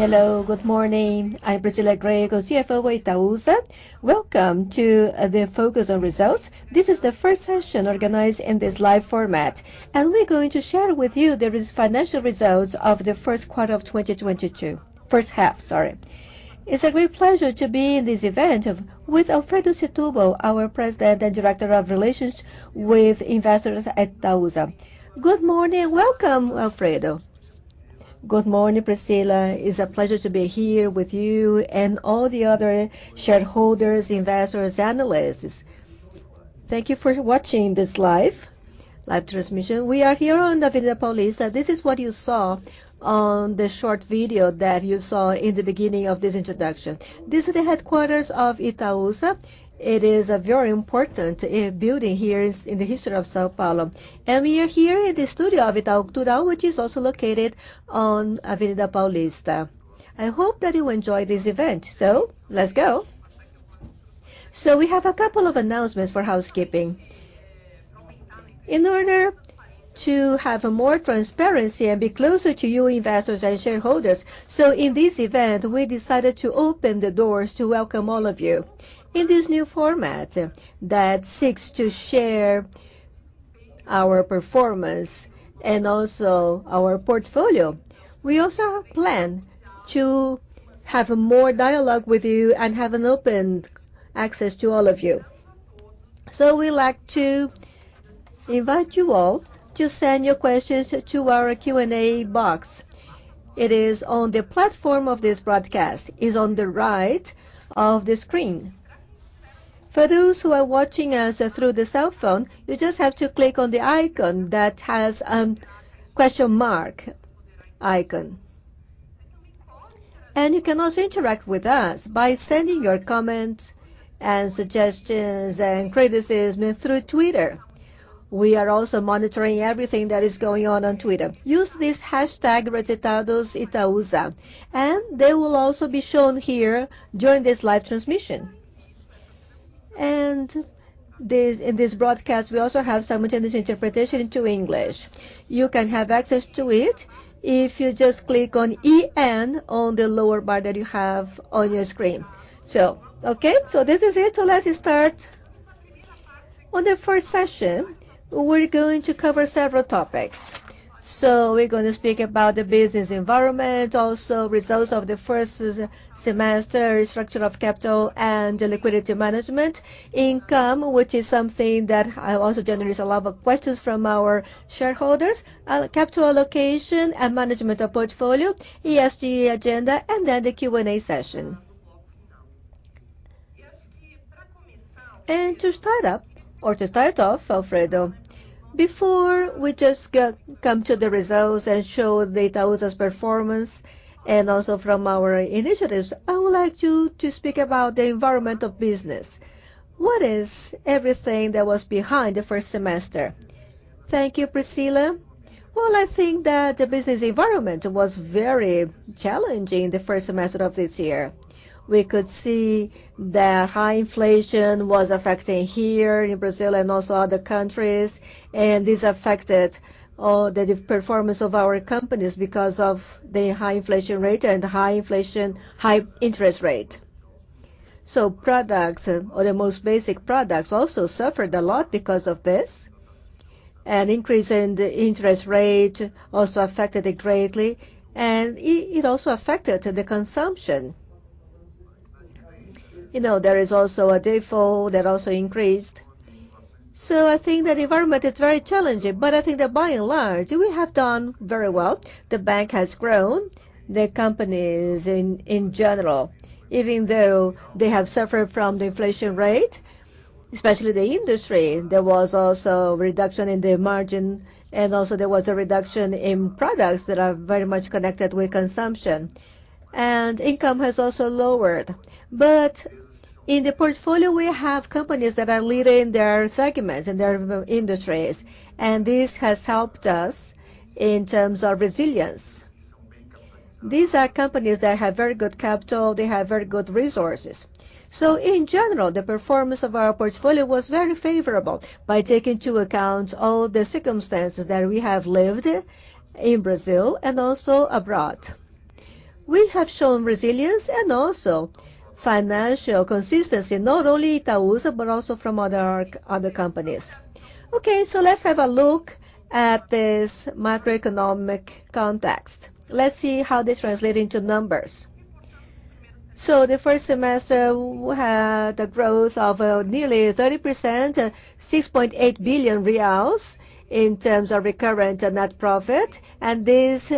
Hello. Good morning. I'm Priscila Grecco, CFO of Itaúsa. Welcome to the Focus On Results. This is the first session organized in this live format, and we're going to share with you the financial results of the first quarter of 2022. First half, sorry. It's a great pleasure to be in this event with Alfredo Setubal, our President and Investor Relations Director at Itaúsa. Good morning. Welcome, Alfredo. Good morning, Priscila. It's a pleasure to be here with you and all the other shareholders, investors, analysts. Thank you for watching this live transmission. We are here on Avenida Paulista. This is what you saw on the short video that you saw in the beginning of this introduction. This is the headquarters of Itaúsa. It is a very important building here in the history of São Paulo. We are here in the studio of Itaú Cultural, which is also located on Avenida Paulista. I hope that you enjoy this event. Let's go. We have a couple of announcements for housekeeping. In order to have more transparency and be closer to you, investors and shareholders, so in this event, we decided to open the doors to welcome all of you in this new format that seeks to share our performance and also our portfolio. We also plan to have more dialogue with you and have an open access to all of you. We'd like to invite you all to send your questions to our Q&A box. It is on the platform of this broadcast. It's on the right of the screen. For those who are watching us through the cell phone, you just have to click on the icon that has question mark icon. You can also interact with us by sending your comments and suggestions and criticism through Twitter. We are also monitoring everything that is going on on Twitter. Use this hashtag, ResultadosItaúsa, and they will also be shown here during this live transmission. In this broadcast, we also have simultaneous interpretation into English. You can have access to it if you just click on EN on the lower bar that you have on your screen. Okay? This is it. Let's start. On the first session, we're going to cover several topics. We're gonna speak about the business environment, also results of the first semester, structure of capital and liquidity management, income, which is something that also generates a lot of questions from our shareholders, capital allocation and management of portfolio, ESG agenda, and then the Q&A session. To start up or to start off, Alfredo, before we just come to the results and show the Itaúsa's performance and also from our initiatives, I would like to speak about the environment of business. What is everything that was behind the first semester? Thank you, Priscila. Well, I think that the business environment was very challenging the first semester of this year. We could see that high inflation was affecting here in Brazil and also other countries, and this affected the performance of our companies because of the high inflation rate and high inflation, high interest rate. Products or the most basic products also suffered a lot because of this. An increase in the interest rate also affected it greatly, and it also affected the consumption. You know, there is also a default that also increased. I think the environment is very challenging, but I think that by and large, we have done very well. The bank has grown. The companies in general, even though they have suffered from the inflation rate, especially the industry, there was also reduction in the margin, and also there was a reduction in products that are very much connected with consumption. Income has also lowered. In the portfolio, we have companies that are leading their segments and their industries, and this has helped us in terms of resilience. These are companies that have very good capital. They have very good resources. In general, the performance of our portfolio was very favorable by taking into account all the circumstances that we have lived in Brazil and also abroad. We have shown resilience and also financial consistency, not only Itaúsa, but also from our other companies. Okay, let's have a look at this macroeconomic context. Let's see how they translate into numbers. The first semester we had a growth of nearly 30%, 6.8 billion reais in terms of recurrent and net profit, and this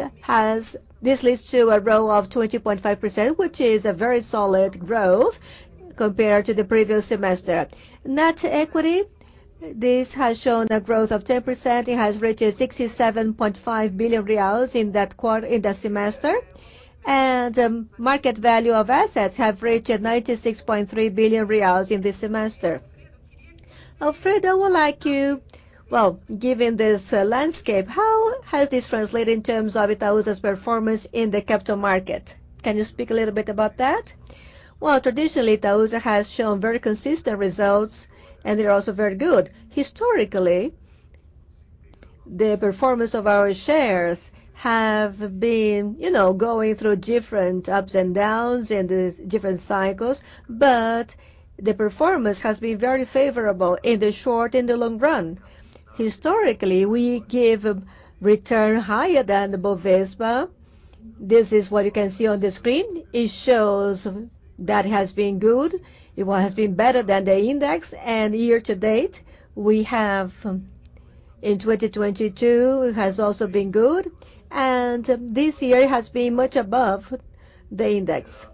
leads to a growth of 20.5%, which is a very solid growth compared to the previous semester. Net equity, this has shown a growth of 10%. It has reached 67.5 billion reais in the semester, and the market value of assets have reached 96.3 billion reais in this semester. Alfredo Setubal, I would like you. Well, given this landscape, how has this translated in terms of Itaúsa's performance in the capital market? Can you speak a little bit about that? Well, traditionally, Itaúsa has shown very consistent results, and they're also very good. Historically, the performance of our shares have been going through different ups and downs in the different cycles, but the performance has been very favorable in the short and the long run. Historically, we give return higher than the Bovespa. This is what you can see on the screen. It shows that has been good. It has been better than the index. Year to date, we have in 2022 has also been good, and this year has been much above the index.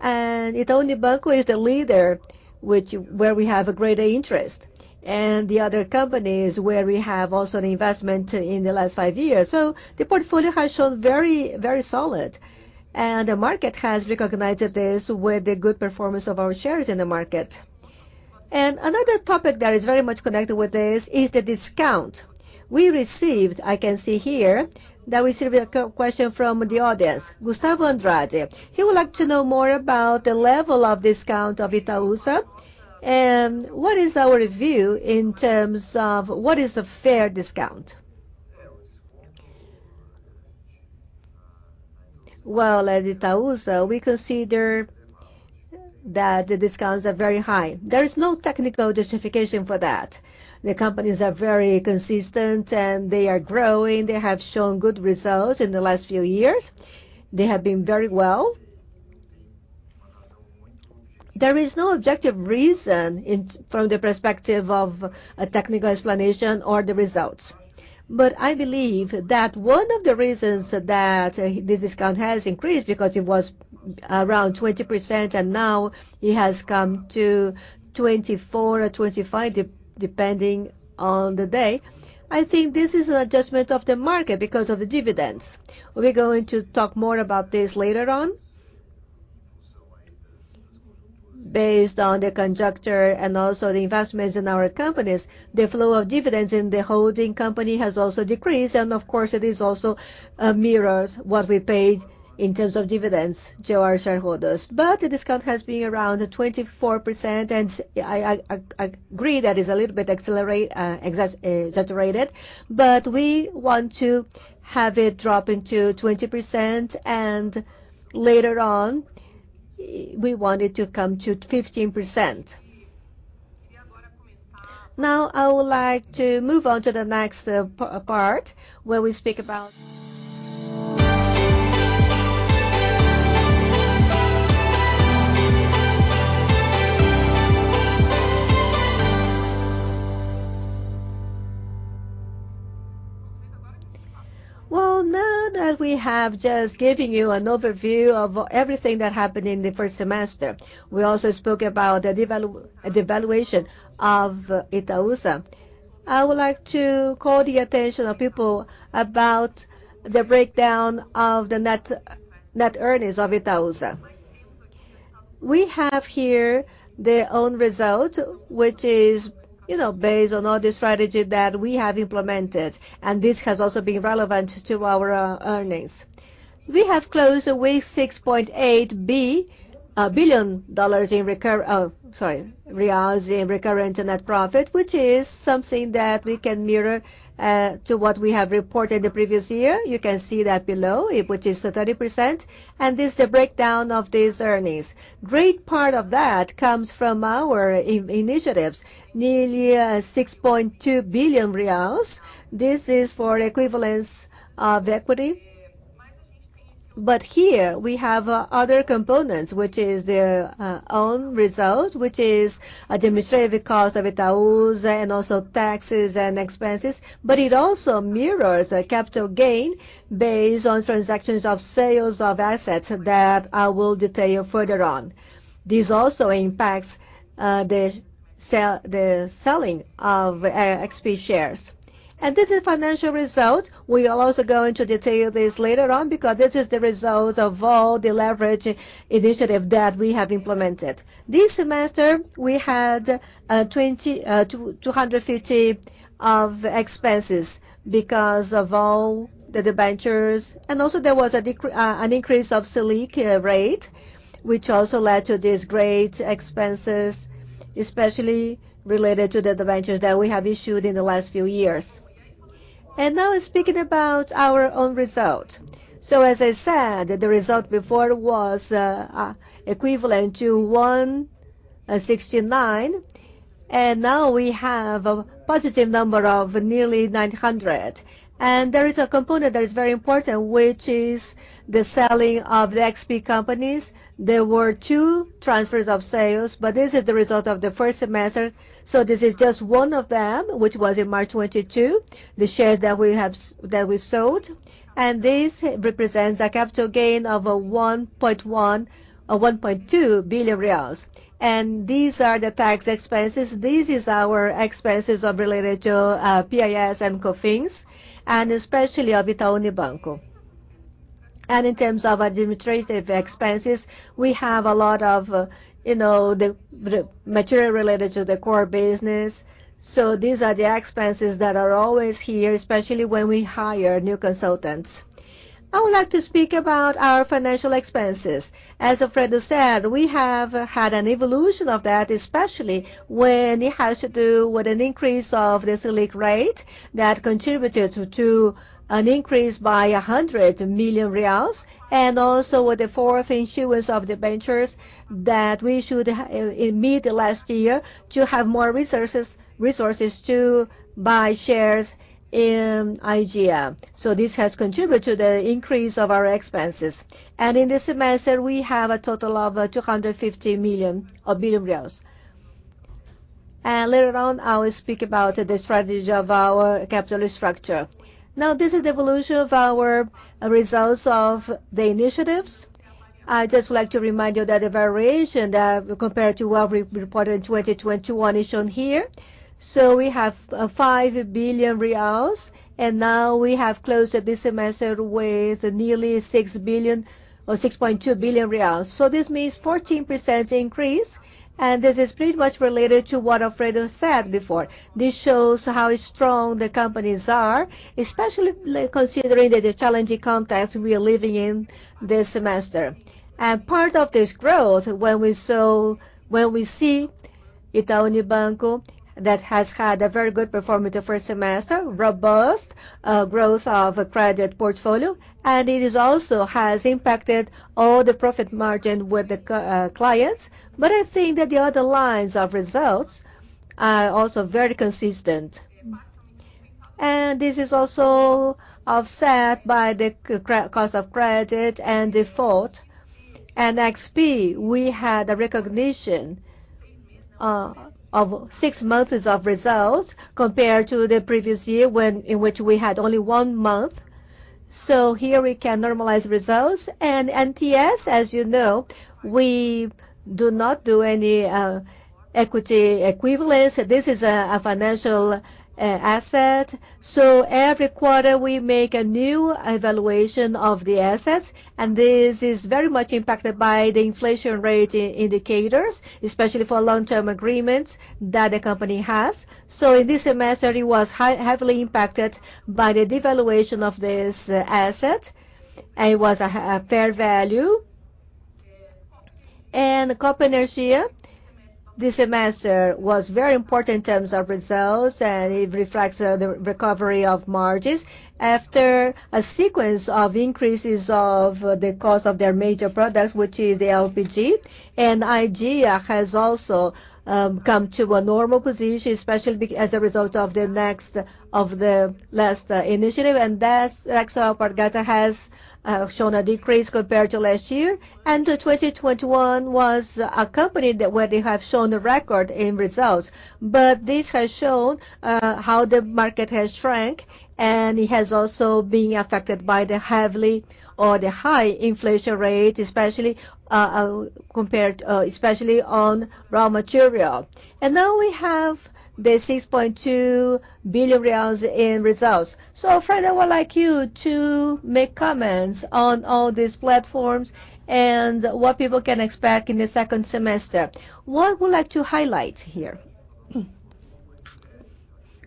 Itaú Unibanco is the leader, where we have a greater interest. The other companies where we have also an investment in the last five years. The portfolio has shown very, very solid, and the market has recognized this with the good performance of our shares in the market. Another topic that is very much connected with this is the discount. We received, I can see here, that we received a question from the audience, Gustavo Andrade. He would like to know more about the level of discount of Itaúsa and what is our view in terms of what is a fair discount. Well, at Itaúsa, we consider that the discounts are very high. There is no technical justification for that. The companies are very consistent, and they are growing. They have shown good results in the last few years. They have been very well. There is no objective reason from the perspective of a technical explanation or the results. I believe that one of the reasons that this discount has increased because it was around 20% and now it has come to 24 or 25 depending on the day. I think this is an adjustment of the market because of the dividends. We're going to talk more about this later on. Based on the conjecture and also the investments in our companies, the flow of dividends in the holding company has also decreased and of course, it is also mirrors what we paid in terms of dividends to our shareholders. The discount has been around 24%. I agree that it is a little bit accelerated, exaggerated, but we want to have it drop into 20% and later on, we want it to come to 15%. Now, I would like to move on to the next part, where we speak about. Well, now that we have just given you an overview of everything that happened in the first semester, we also spoke about the devaluation of Itaúsa. I would like to call the attention of people about the breakdown of the net earnings of Itaúsa. We have here their own result, which is, you know, based on all the strategy that we have implemented, and this has also been relevant to our earnings. We have closed with BRL 6.8 billion reals in recurrent net profit, which is something that we can mirror to what we have reported the previous year. You can see that below it, which is the 30%. This is the breakdown of these earnings. Great part of that comes from our initiatives, nearly BRL 6.2 billion. This is for equivalence of equity. But here we have other components, which is the own result, which is administrative costs of Itaúsa and also taxes and expenses. But it also mirrors a capital gain based on transactions of sales of assets that I will detail further on. This also impacts the selling of XP shares. This is financial result. We are also going to detail this later on because this is the result of all the leverage initiative that we have implemented. This semester, we had 250 of expenses because of all the debentures. There was an increase of Selic rate, which also led to these great expenses, especially related to the debentures that we have issued in the last few years. Now speaking about our own result. As I said, the result before was equivalent to 169, and now we have a positive number of nearly 900. There is a component that is very important, which is the selling of the XP companies. There were two transfers of sales, but this is the result of the first semester. This is just one of them, which was in March 2022, the shares that we sold. This represents a capital gain of 1.2 billion reais. These are the tax expenses. This is our expenses related to PIS and Cofins and especially of Itaú Unibanco. In terms of administrative expenses, we have a lot of material related to the core business. These are the expenses that are always here, especially when we hire new consultants. I would like to speak about our financial expenses. As Alfredo said, we have had an evolution of that, especially when it has to do with an increase of this leak rate that contributed to an increase by 100 million reais and also with the fourth issuance of the ventures that we should in mid the last year to have more resources to buy shares in Aagea. This has contributed to the increase of our expenses. In this semester, we have a total of 250 billion reais. Later on, I will speak about the strategy of our capital structure. Now, this is the evolution of our results of the initiatives. I'd just like to remind you that the variation compared to what we reported in 2021 is shown here. We have 5 billion reais and now we have closed this semester with nearly 6 billion or 6.2 billion reais. This means 14% increase, and this is pretty much related to what Alfredo said before. This shows how strong the companies are, especially considering the challenging context we are living in this semester. Part of this growth, when we see Itaú Unibanco that has had a very good performance the first semester, robust growth of a credit portfolio, and it is also has impacted all the profit margin with the clients. I think that the other lines of results are also very consistent. This is also offset by the cost of credit and default. XP, we had a recognition of six months of results compared to the previous year in which we had only one month. Here we can normalize results. NTS, as you know, we do not do any equity equivalence. This is a financial asset. Every quarter we make a new evaluation of the assets, and this is very much impacted by the inflation rate indicators, especially for long-term agreements that a company has. In this semester, it was heavily impacted by the devaluation of this asset, and it was a fair value. Copa Energia, this semester was very important in terms of results, and it reflects the recovery of margins after a sequence of increases of the cost of their major products, which is the LPG. LPG has also come to a normal position, especially as a result of the last initiative. Alpargatas has shown a decrease compared to last year. 2021 was a company where they showed record results. This has shown how the market has shrank, and it has also been affected by the heavily or the high inflation rate, especially on raw material. Now we have 6.2 billion in results. Alfredo, I would like you to make comments on all these platforms and what people can expect in the second semester. What would you like to highlight here?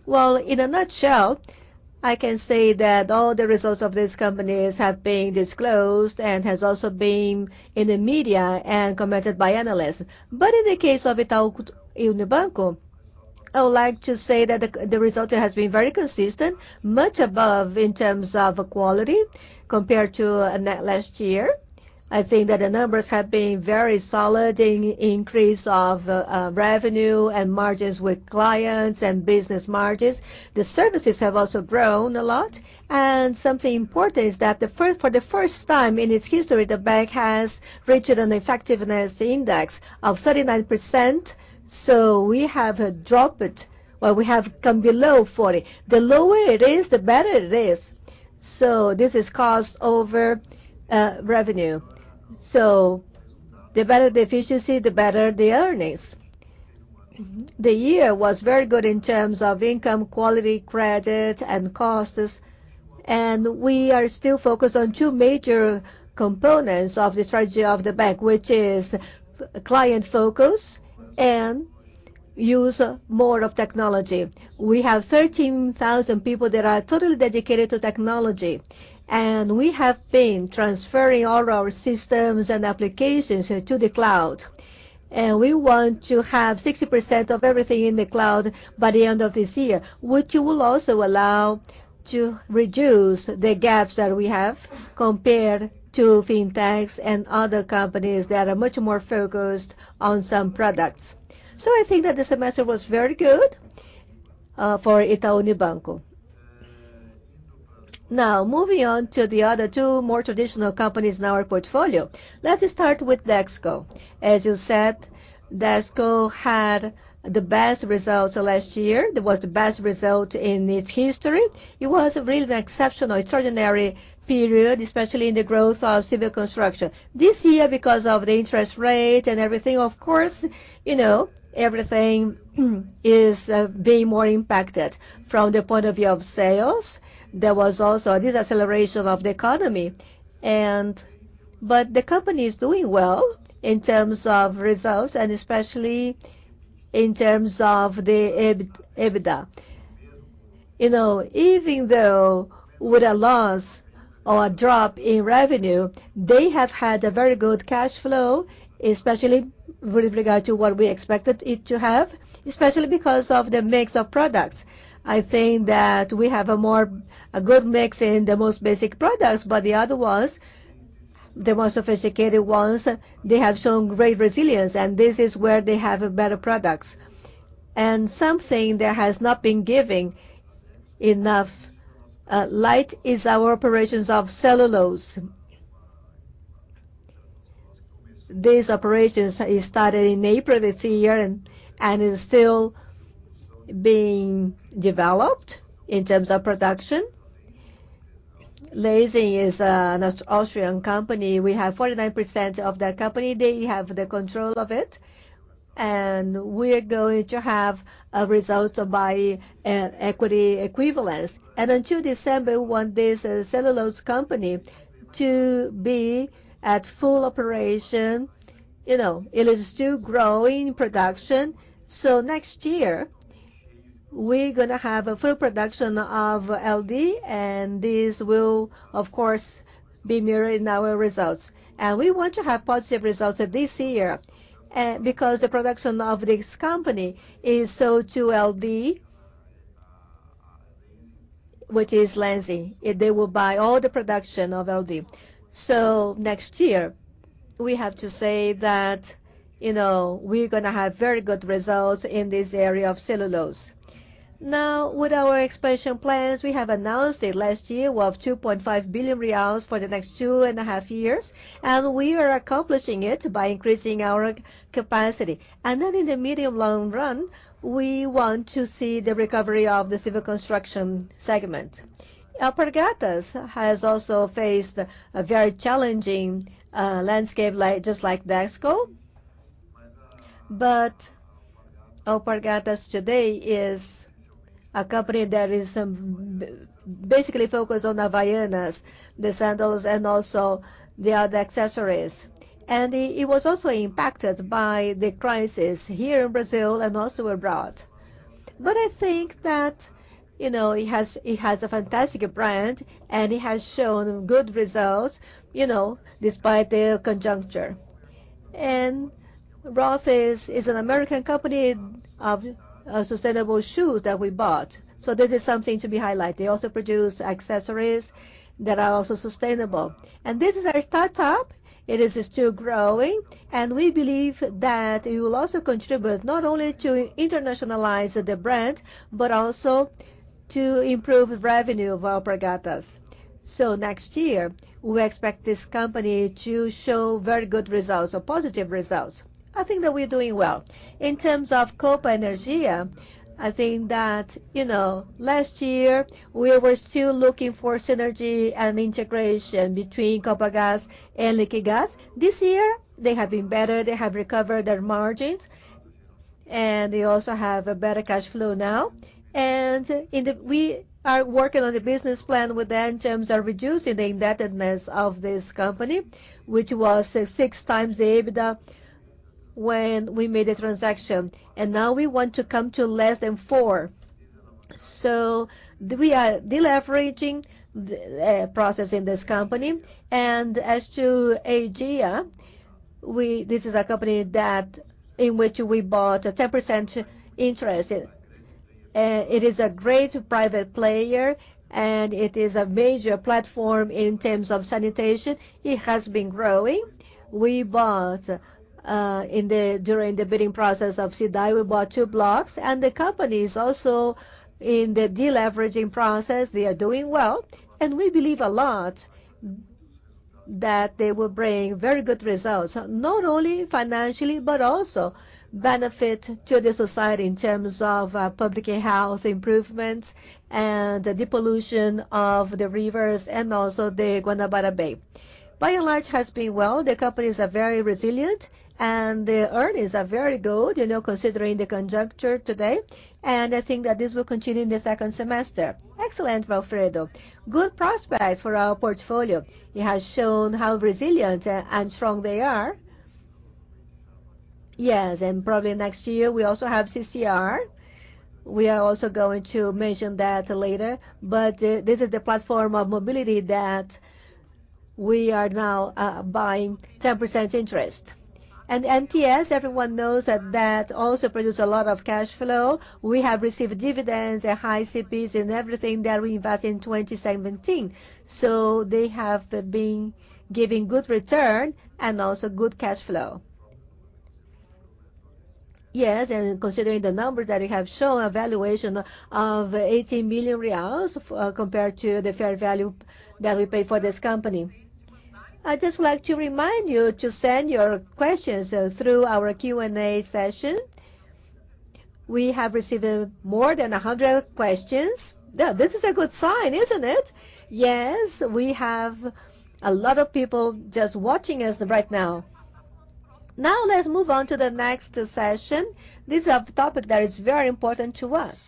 Well, in a nutshell, I can say that all the results of these companies have been disclosed and have also been in the media and commented by analysts. In the case of Itaú Unibanco, I would like to say that the result has been very consistent, much above in terms of quality compared to last year. I think that the numbers have been very solid in increase of revenue and margins with clients and business margins. The services have also grown a lot. Something important is that for the first time in its history, the bank has reached an efficiency index of 39%. We have dropped, or we have come below 40. The lower it is, the better it is. This is cost over revenue. The better the efficiency, the better the earnings. The year was very good in terms of income, quality, credit and costs. We are still focused on two major components of the strategy of the bank, which is client focus and use more of technology. We have 13,000 people that are totally dedicated to technology, and we have been transferring all our systems and applications to the cloud. We want to have 60% of everything in the cloud by the end of this year, which will also allow to reduce the gaps that we have compared to fintechs and other companies that are much more focused on some products. I think that the semester was very good, for Itaú Unibanco. Now, moving on to the other two more traditional companies in our portfolio. Let us start with Dexco. As you said, Dexco had the best results last year. That was the best result in its history. It was really an exceptional, extraordinary period, especially in the growth of civil construction. This year, because of the interest rate and everything, of course, you know, everything is being more impacted. From the point of view of sales, there was also a deceleration of the economy. The company is doing well in terms of results and especially in terms of the EBITDA. You know, even though with a loss or a drop in revenue, they have had a very good cash flow, especially with regard to what we expected it to have, especially because of the mix of products. I think that we have a good mix in the most basic products. The other ones, the more sophisticated ones, they have shown great resilience. This is where they have better products. Something that has not been giving enough light is our operations of cellulose. These operations, it started in April this year and is still being developed in terms of production. Lenzing is an Austrian company. We have 49% of the company. They have the control of it. We're going to have a result by an equity equivalence. Until December we want this cellulose company to be at full operation. You know, it is still growing production. Next year we're gonna have a full production of LD, and this will of course be mirrored in our results. We want to have positive results this year, because the production of this company is sold to LD. Which is Lenzing. They will buy all the production of LD. Next year we have to say that, you know, we're gonna have very good results in this area of cellulose. Now, with our expansion plans, we have announced it last year. We have 2.5 billion reais for the next two and a half years, and we are accomplishing it by increasing our capacity. Then in the medium long run, we want to see the recovery of the civil construction segment. Alpargatas has also faced a very challenging landscape like just like Dexco. Alpargatas today is a company that is basically focused on Havaianas, the sandals, and also the other accessories. It was also impacted by the crisis here in Brazil and also abroad. I think that, you know, it has a fantastic brand, and it has shown good results, you know, despite the conjuncture. Rothy's is an American company of sustainable shoes that we bought. This is something to be highlighted. They also produce accessories that are also sustainable. This is our startup. It is still growing, and we believe that it will also contribute not only to internationalize the brand, but also to improve revenue of Alpargatas. Next year we expect this company to show very good results or positive results. I think that we're doing well. In terms of Copa Energia, I think that last year we were still looking for synergy and integration between Copagaz and Liquigás. This year they have been better. They have recovered their margins, and they also have a better cash flow now. We are working on the business plan with them in terms of reducing the indebtedness of this company, which was 6x the EBITDA when we made the transaction. Now we want to come to less than 4. We are deleveraging the process in this company. As to Aegea, this is a company in which we bought a 10% interest in. It is a great private player, and it is a major platform in terms of sanitation. It has been growing. We bought during the bidding process of CEDAE, we bought two blocks. The company is also in the deleveraging process. They are doing well. We believe a lot that they will bring very good results, not only financially, but also benefit to the society in terms of, public health improvements and the depollution of the rivers and also the Guanabara Bay. By and large has been well. The companies are very resilient, and the earnings are very good, you know, considering the conjuncture today. I think that this will continue in the second semester. Excellent, Alfredo. Good prospects for our portfolio. It has shown how resilient and strong they are. Yes, and probably next year we also have CCR. We are also going to mention that later. This is the platform of mobility that we are now, buying 10% interest. NTS, everyone knows that that also produce a lot of cash flow. We have received dividends at high CPs in everything that we invest in 2017. They have been giving good return and also good cash flow. Yes, considering the numbers that we have shown, a valuation of 18 million reais compared to the fair value that we paid for this company. I'd just like to remind you to send your questions through our Q&A session. We have received more than 100 questions. Yeah, this is a good sign, isn't it? Yes, we have a lot of people just watching us right now. Now let's move on to the next session. This is a topic that is very important to us.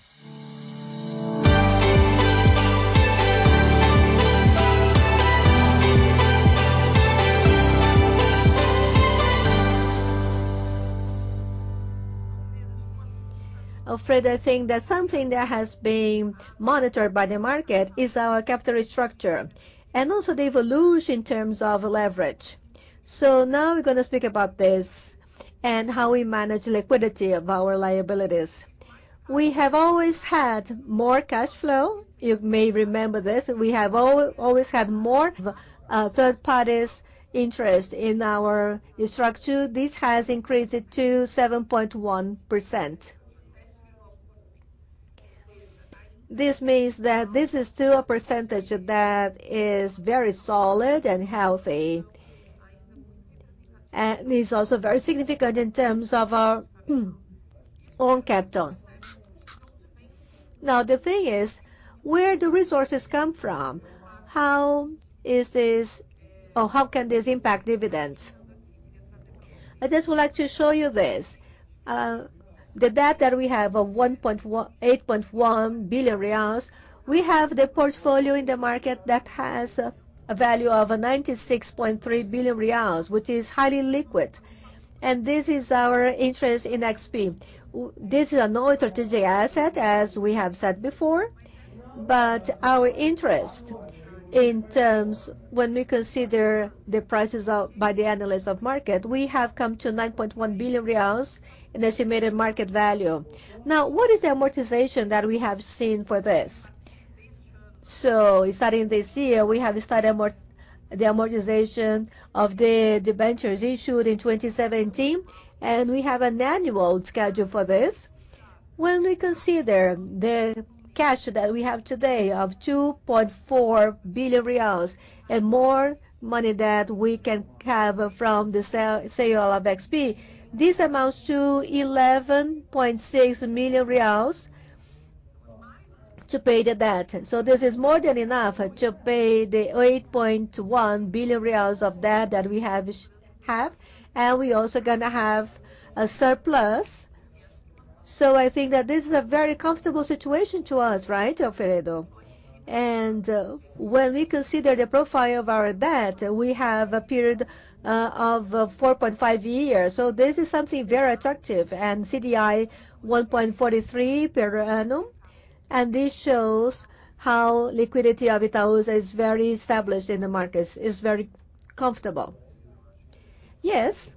Alfredo, I think that something that has been monitored by the market is our capital structure and also the evolution in terms of leverage. Now we're gonna speak about this and how we manage liquidity of our liabilities. We have always had more cash flow. You may remember this. We have always had more of third parties interest in our structure. This has increased to 7.1%. This means that this is still a percentage that is very solid and healthy. And it's also very significant in terms of our own capital. Now, the thing is, where do resources come from? How is this or how can this impact dividends? I just would like to show you this. The data we have of 8.1 billion reais. We have the portfolio in the market that has a value of 96.3 billion reais, which is highly liquid, and this is our interest in XP. This is a non-strategic asset, as we have said before, but our interest in terms when we consider the prices by the analysts of market, we have come to 9.1 billion reais in estimated market value. Now, what is the amortization that we have seen for this? Starting this year, we have started the amortization of the debentures issued in 2017, and we have an annual schedule for this. When we consider the cash that we have today of 2.4 billion reais and more money that we can have from the sale of XP, this amounts to 11.6 million reais to pay the debt. This is more than enough to pay the 8.1 billion reais of debt that we have, and we also gonna have a surplus. I think that this is a very comfortable situation to us, right, Alfredo? When we consider the profile of our debt, we have a period of 4.5 years, so this is something very attractive and CDI 1.43 per annum, and this shows how Itaúsa's liquidity is very established in the markets, is very comfortable. Yes,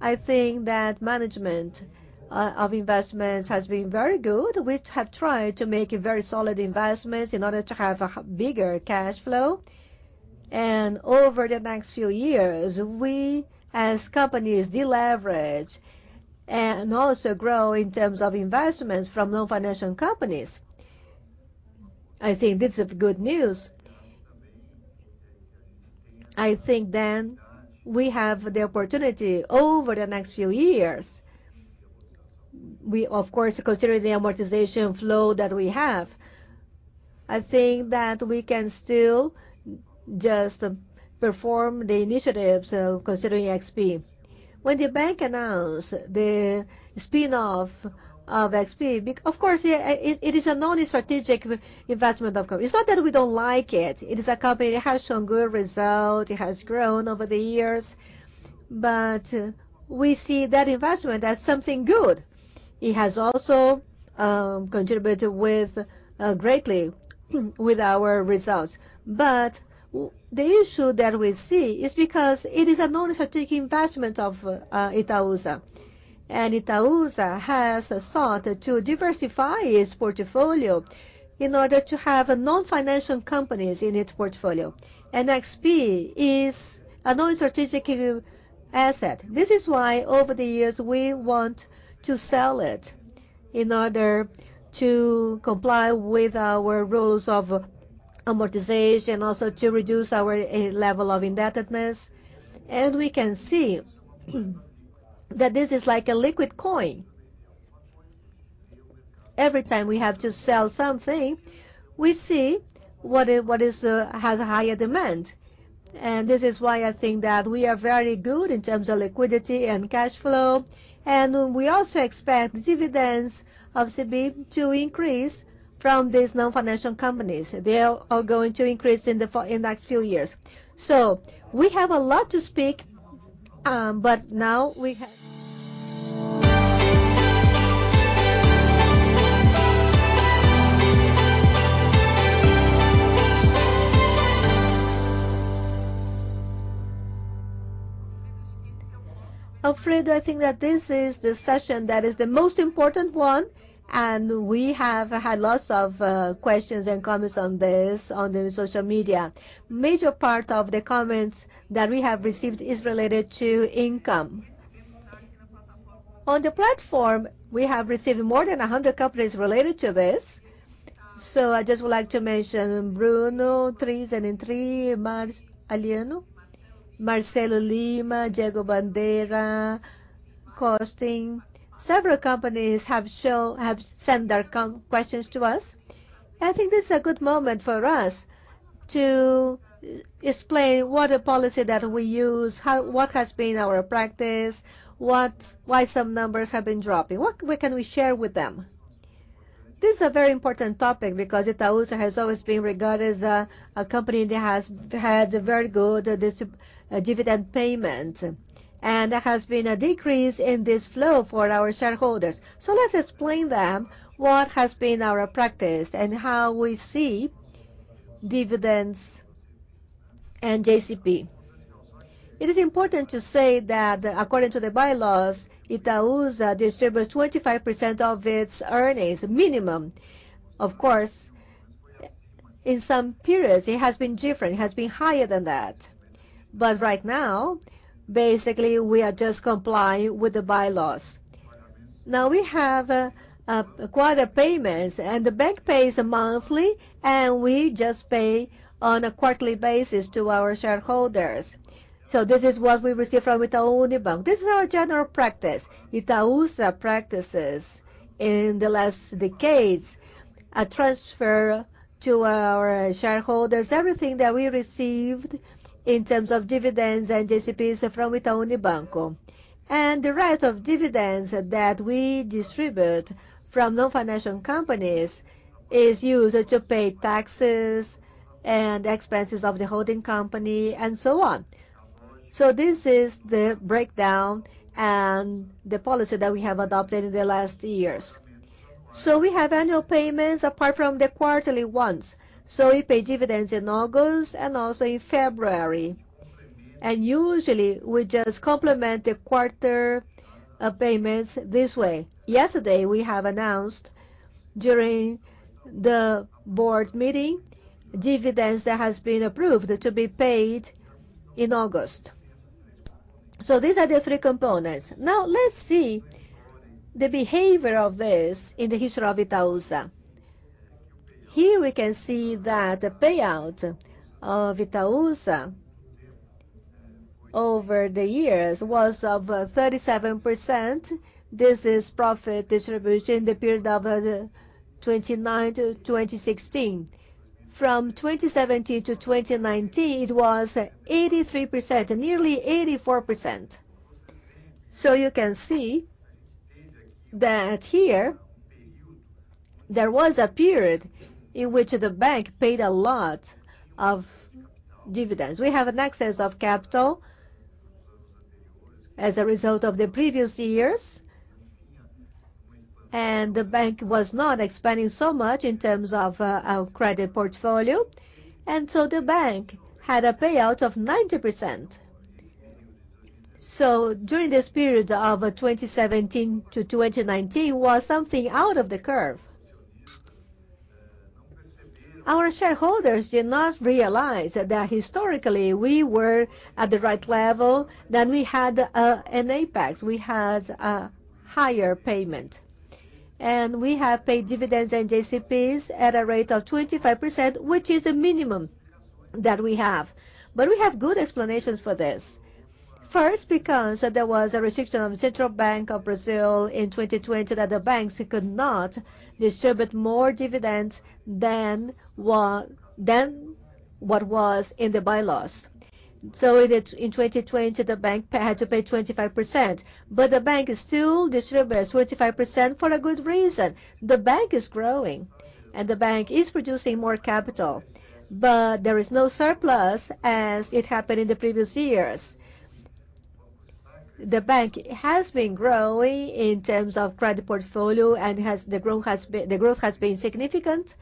I think that management of investments has been very good. We have tried to make very solid investments in order to have a bigger cash flow. Over the next few years, we as companies deleverage and also grow in terms of investments from non-financial companies. I think this is good news. I think then we have the opportunity over the next few years, we of course, considering the amortization flow that we have, I think that we can still just perform the initiatives, considering XP. When the bank announced the spin-off of XP, of course, it is a non-strategic investment. It's not that we don't like it. It is a company that has shown good results. It has grown over the years. We see that investment as something good. It has also contributed greatly with our results. The issue that we see is because it is a non-strategic investment of Itaúsa, and Itaúsa has sought to diversify its portfolio in order to have non-financial companies in its portfolio, and XP is a non-strategic asset. This is why, over the years, we want to sell it in order to comply with our rules of amortization, also to reduce our level of indebtedness. We can see that this is like a liquid coin. Every time we have to sell something, we see what has higher demand. This is why I think that we are very good in terms of liquidity and cash flow. We also expect dividends of CB to increase from these non-financial companies. They are all going to increase in next few years. We have a lot to speak, but now we have Alfredo. I think that this is the session that is the most important one and we have had lots of questions and comments on this on the social media. Major part of the comments that we have received is related to income. On the platform, we have received more than 100 comments related to this. I just would like to mention Bruno 373, Marceliano, Marcelo Lima, Diego Bandeira, Costin. Several companies have sent their questions to us. I think this is a good moment for us to explain what policy that we use, what has been our practice, why some numbers have been dropping, what can we share with them? This is a very important topic because Itaúsa has always been regarded as a company that had very good dividend payment, and there has been a decrease in this flow for our shareholders. Let's explain to them what has been our practice and how we see dividends and JCP. It is important to say that according to the bylaws, Itaúsa distributes 25% of its earnings minimum. Of course, in some periods it has been different, it has been higher than that. Right now, basically we are just complying with the bylaws. Now, we have quarter payments, and the bank pays monthly, and we just pay on a quarterly basis to our shareholders. This is what we receive from Itaú Unibanco. This is our general practice. Itaúsa practices in the last decades, a transfer to our shareholders. Everything that we received in terms of dividends and JCPs from Itaú Unibanco. The rest of dividends that we distribute from non-financial companies is used to pay taxes and expenses of the holding company and so on. This is the breakdown and the policy that we have adopted in the last years. We have annual payments apart from the quarterly ones. We pay dividends in August and also in February. Usually we just complement the quarter payments this way. Yesterday we have announced during the board meeting, dividends that has been approved to be paid in August. These are the three components. Now, let's see the behavior of this in the history of Itaúsa. Here we can see that the payout of Itaúsa over the years was of 37%. This is profit distribution in the period of 2009 to 2016. From 2017 to 2019, it was 83%, nearly 84%. You can see that here there was a period in which the bank paid a lot of dividends. We have an excess of capital as a result of the previous years, and the bank was not expanding so much in terms of our credit portfolio, and so the bank had a payout of 90%. During this period of 2017 to 2019 was something out of the curve. Our shareholders did not realize that historically we were at the right level. We had an apex. We had a higher payment. We have paid dividends and JCPs at a rate of 25%, which is the minimum that we have. We have good explanations for this. First, because there was a restriction on Central Bank of Brazil in 2020 that the banks could not distribute more dividends than what was in the bylaws. In 2020, the bank had to pay 25%, but the bank still distributes 25% for a good reason. The bank is growing and the bank is producing more capital, but there is no surplus as it happened in the previous years. The bank has been growing in terms of credit portfolio and the growth has been significant.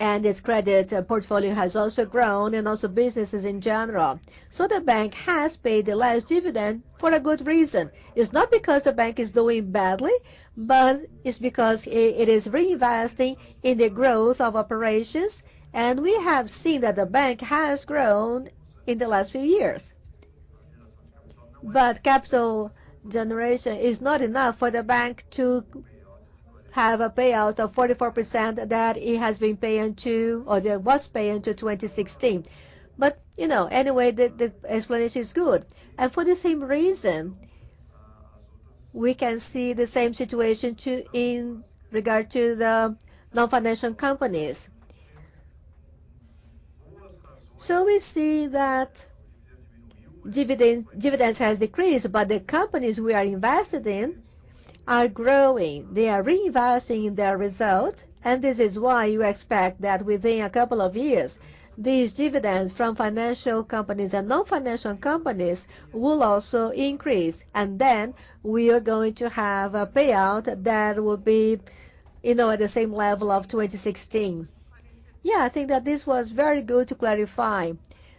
Its credit portfolio has also grown and also businesses in general. The bank has paid less dividend for a good reason. It's not because the bank is doing badly, but it's because it is reinvesting in the growth of operations. We have seen that the bank has grown in the last few years. Capital generation is not enough for the bank to have a payout of 44% that it has been paying to or was paying till 2016. You know, anyway, the explanation is good. For the same reason, we can see the same situation too in regard to the non-financial companies. We see that dividends has decreased, but the companies we are invested in are growing. They are reinvesting in their result. This is why you expect that within a couple of years, these dividends from financial companies and non-financial companies will also increase. Then we are going to have a payout that will be, you know, at the same level of 2016. Yeah, I think that this was very good to clarify.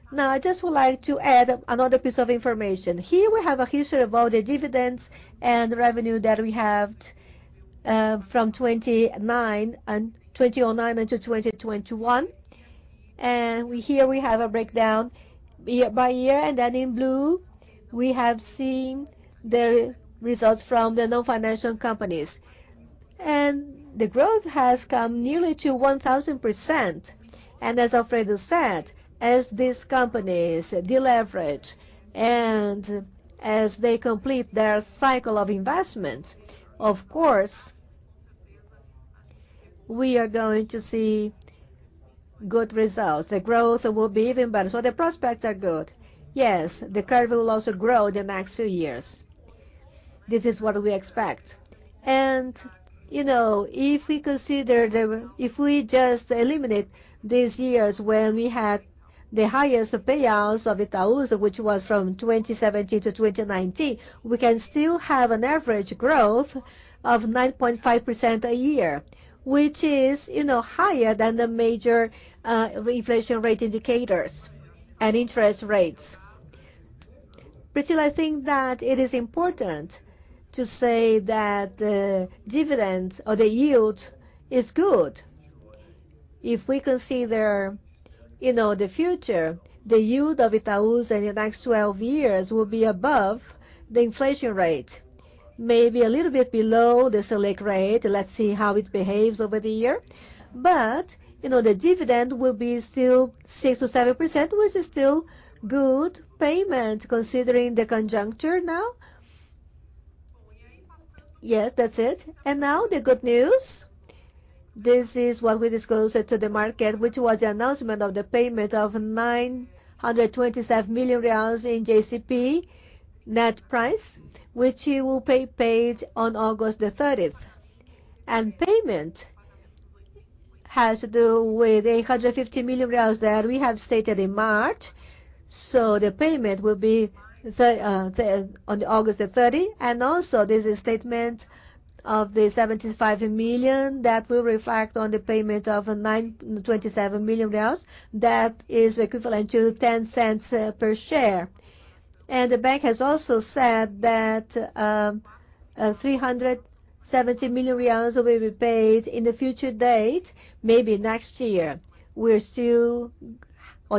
Now, I just would like to add another piece of information. Here we have a history of all the dividends and revenue that we have from 2009 until 2021. Here we have a breakdown year by year, and then in blue, we have seen the results from the non-financial companies. The growth has come nearly to 1,000%. As Alfredo said, as these companies deleverage and as they complete their cycle of investment, of course we are going to see good results. The growth will be even better. The prospects are good. Yes, the curve will also grow the next few years. This is what we expect. You know, if we just eliminate these years when we had the highest payouts of Itaúsa's, which was from 2017 to 2019, we can still have an average growth of 9.5% a year, which is, you know, higher than the major inflation rate indicators and interest rates. Priscila, I think that it is important to say that the dividends or the yield is good. If we can see there, you know, the future, the yield of Itaúsa's in the next 12 years will be above the inflation rate. Maybe a little bit below the Selic rate. Let's see how it behaves over the year. You know, the dividend will be still 6%-7%, which is still good payment considering the conjuncture now. Yes, that's it. Now the good news, this is what we disclosed to the market, which was the announcement of the payment of 927 million reais in JCP net price, which will be paid on August 30th. Payment has to do with 150 million that we have stated in March. The payment will be on August 30. This is statement of the 75 million that will reflect on the payment of 927 million reais. That is equivalent to 0.10 per share. The bank has also said that 370 million reais will be paid in the future date, maybe next year. Or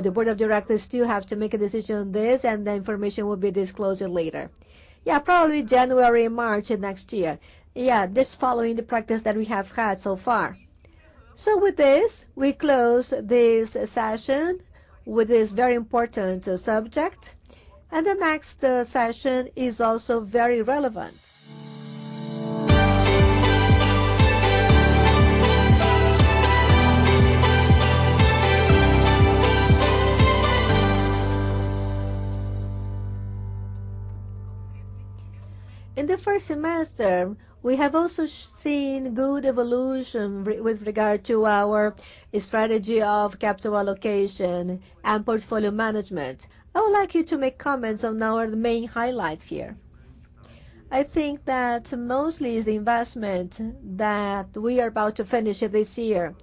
the board of directors still have to make a decision on this, and the information will be disclosed later. Yeah, probably January, March of next year. Yeah, this following the practice that we have had so far. With this, we close this session with this very important subject, and the next session is also very relevant. In the first semester, we have also seen good evolution with regard to our strategy of capital allocation and portfolio management. I would like you to make comments on our main highlights here. I think that mostly it's the investment that we are about to finish this year.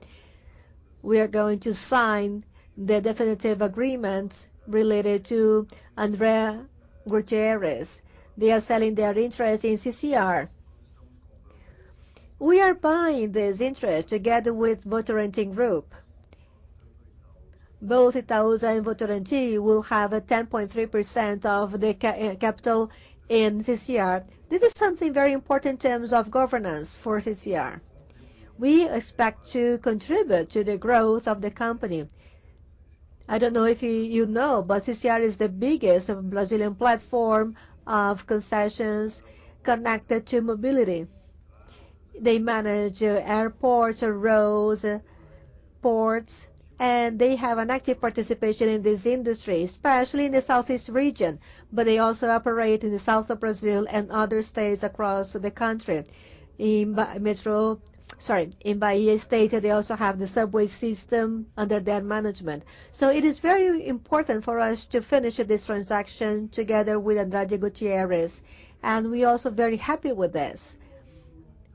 We are going to sign the definitive agreement related to Andrade Gutierrez. They are selling their interest in CCR. We are buying this interest together with Votorantim Group. Both Itaú and Votorantim will have a 10.3% of the capital in CCR. This is something very important in terms of governance for CCR. We expect to contribute to the growth of the company. I don't know if you know, but CCR is the biggest Brazilian platform of concessions connected to mobility. They manage airports, roads, ports, and they have an active participation in this industry, especially in the Southeast region, but they also operate in the south of Brazil and other states across the country. In Bahia State, they also have the subway system under their management. It is very important for us to finish up this transaction together with Andrade Gutierrez, and we're also very happy with this.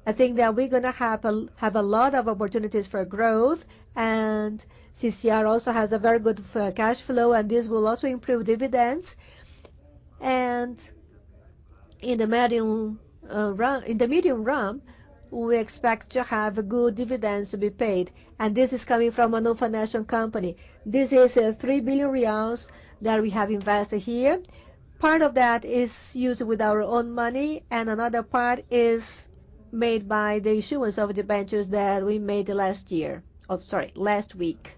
I think that we're gonna have a lot of opportunities for growth, and CCR also has a very good cash flow, and this will also improve dividends. In the medium realm, we expect to have good dividends to be paid, and this is coming from a non-financial company. This is 3 billion reais that we have invested here. Part of that is used with our own money, and another part is made by the issuance of debentures that we made last year. Oh, sorry, last week.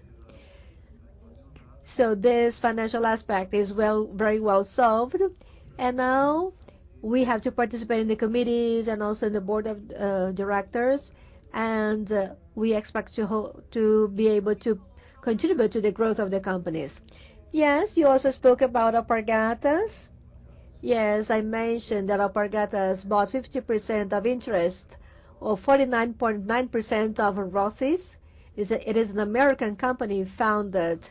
This financial aspect is very well solved. Now we have to participate in the committees and also the board of directors, and we expect to be able to contribute to the growth of the companies. Yes, you also spoke about Alpargatas. Yes, I mentioned that Alpargatas bought 50% interest or 49.9% of Rothy's. It is an American company founded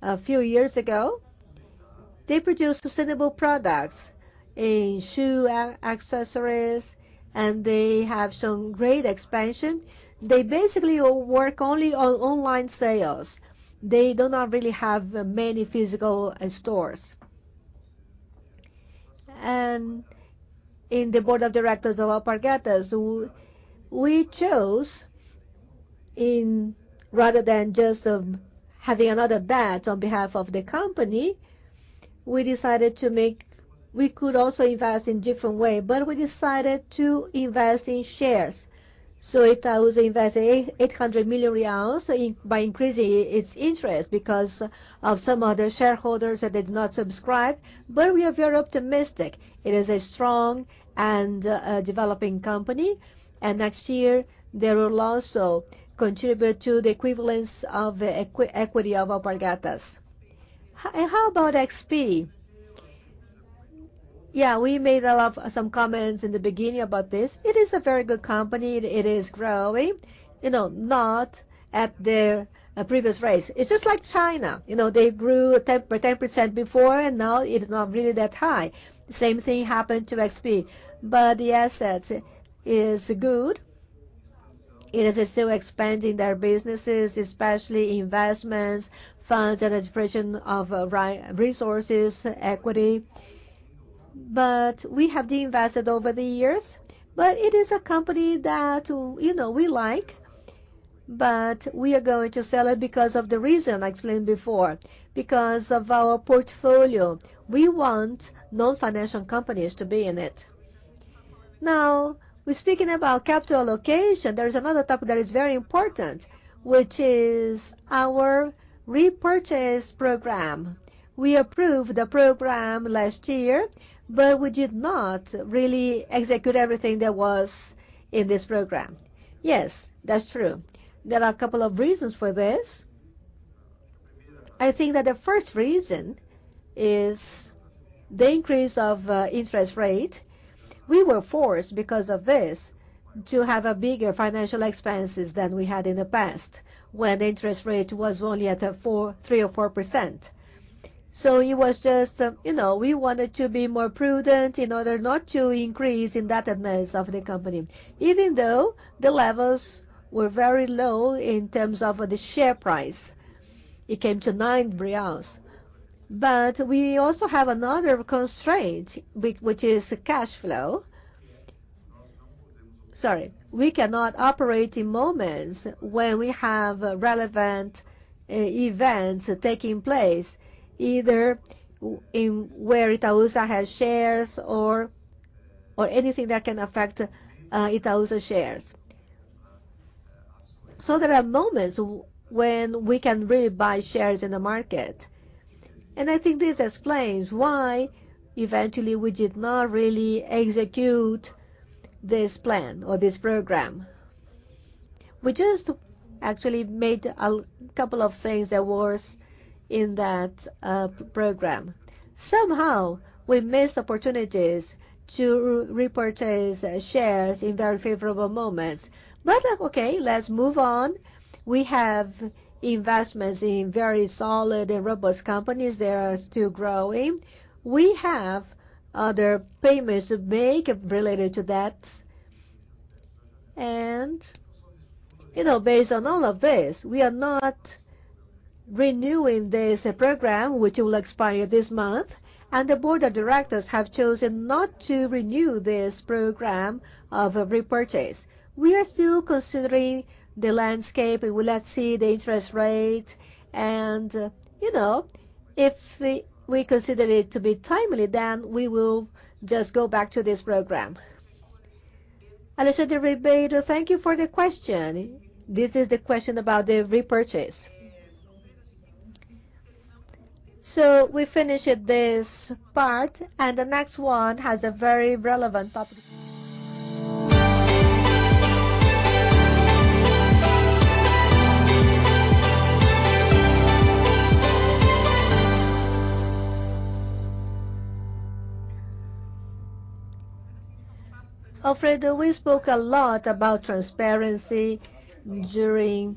a few years ago. They produce sustainable products in shoe accessories, and they have shown great expansion. They basically all work only on online sales. They do not really have many physical stores. In the board of directors of Alpargatas, we chose, in rather than just having another debt on behalf of the company, we decided to make. We could also invest in different way, but we decided to invest in shares. Itaúsa is investing BRL 800 million by increasing its interest because of some other shareholders that did not subscribe. We are very optimistic. It is a strong and a developing company. Next year, they will also contribute to the equivalence of equity of Alpargatas. How about XP? Yeah, we made some comments in the beginning about this. It is a very good company. It is growing, you know, not at the previous rates. It's just like China, you know, they grew 10% before and now it's not really that high. Same thing happened to XP. The assets is good. It is still expanding their businesses, especially investments, funds and dispersion of resources, equity. We have de-invested over the years. It is a company that, you know, we like, but we are going to sell it because of the reason I explained before. Because of our portfolio. We want non-financial companies to be in it. Now, we're speaking about capital allocation. There is another topic that is very important, which is our repurchase program. We approved the program last year, but we did not really execute everything that was in this program. Yes, that's true. There are a couple of reasons for this. I think that the first reason is the increase of interest rate. We were forced, because of this, to have bigger financial expenses than we had in the past when interest rate was only at 3%-4%. It was just, you know, we wanted to be more prudent in order not to increase indebtedness of the company, even though the levels were very low in terms of the share price. It came to 9 reais. We also have another constraint, which is cash flow. Sorry. We cannot operate in moments when we have relevant events taking place, either where Itaúsa has shares or anything that can affect Itaúsa shares. There are moments when we can really buy shares in the market. I think this explains why eventually we did not really execute this plan or this program. We just actually made a couple of things that was in that program. Somehow we missed opportunities to repurchase shares in very favorable moments. Okay, let's move on. We have investments in very solid and robust companies. They are still growing. We have other payments to make related to debts. You know, based on all of this, we are not renewing this program, which will expire this month. The board of directors have chosen not to renew this program of repurchase. We are still considering the landscape. Let's see the interest rate and, you know, if we consider it to be timely, then we will just go back to this program. Alexander Ribeiro, thank you for the question. This is the question about the repurchase. We finished this part, and the next one has a very relevant topic. Alfredo, we spoke a lot about transparency during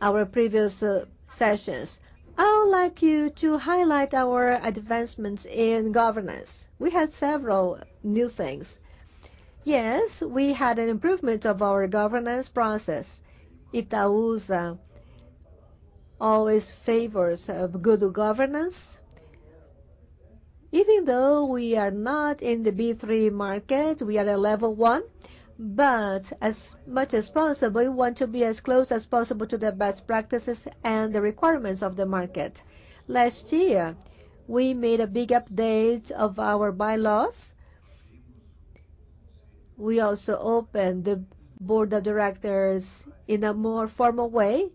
our previous sessions. I would like you to highlight our advancements in governance. We had several new things. Yes, we had an improvement of our governance process. Itaúsa always favors good governance. Even though we are not in the B3 market, we are a level one, but as much as possible, we want to be as close as possible to the best practices and the requirements of the market. Last year, we made a big update of our bylaws. We also opened the board of directors in a more formal way.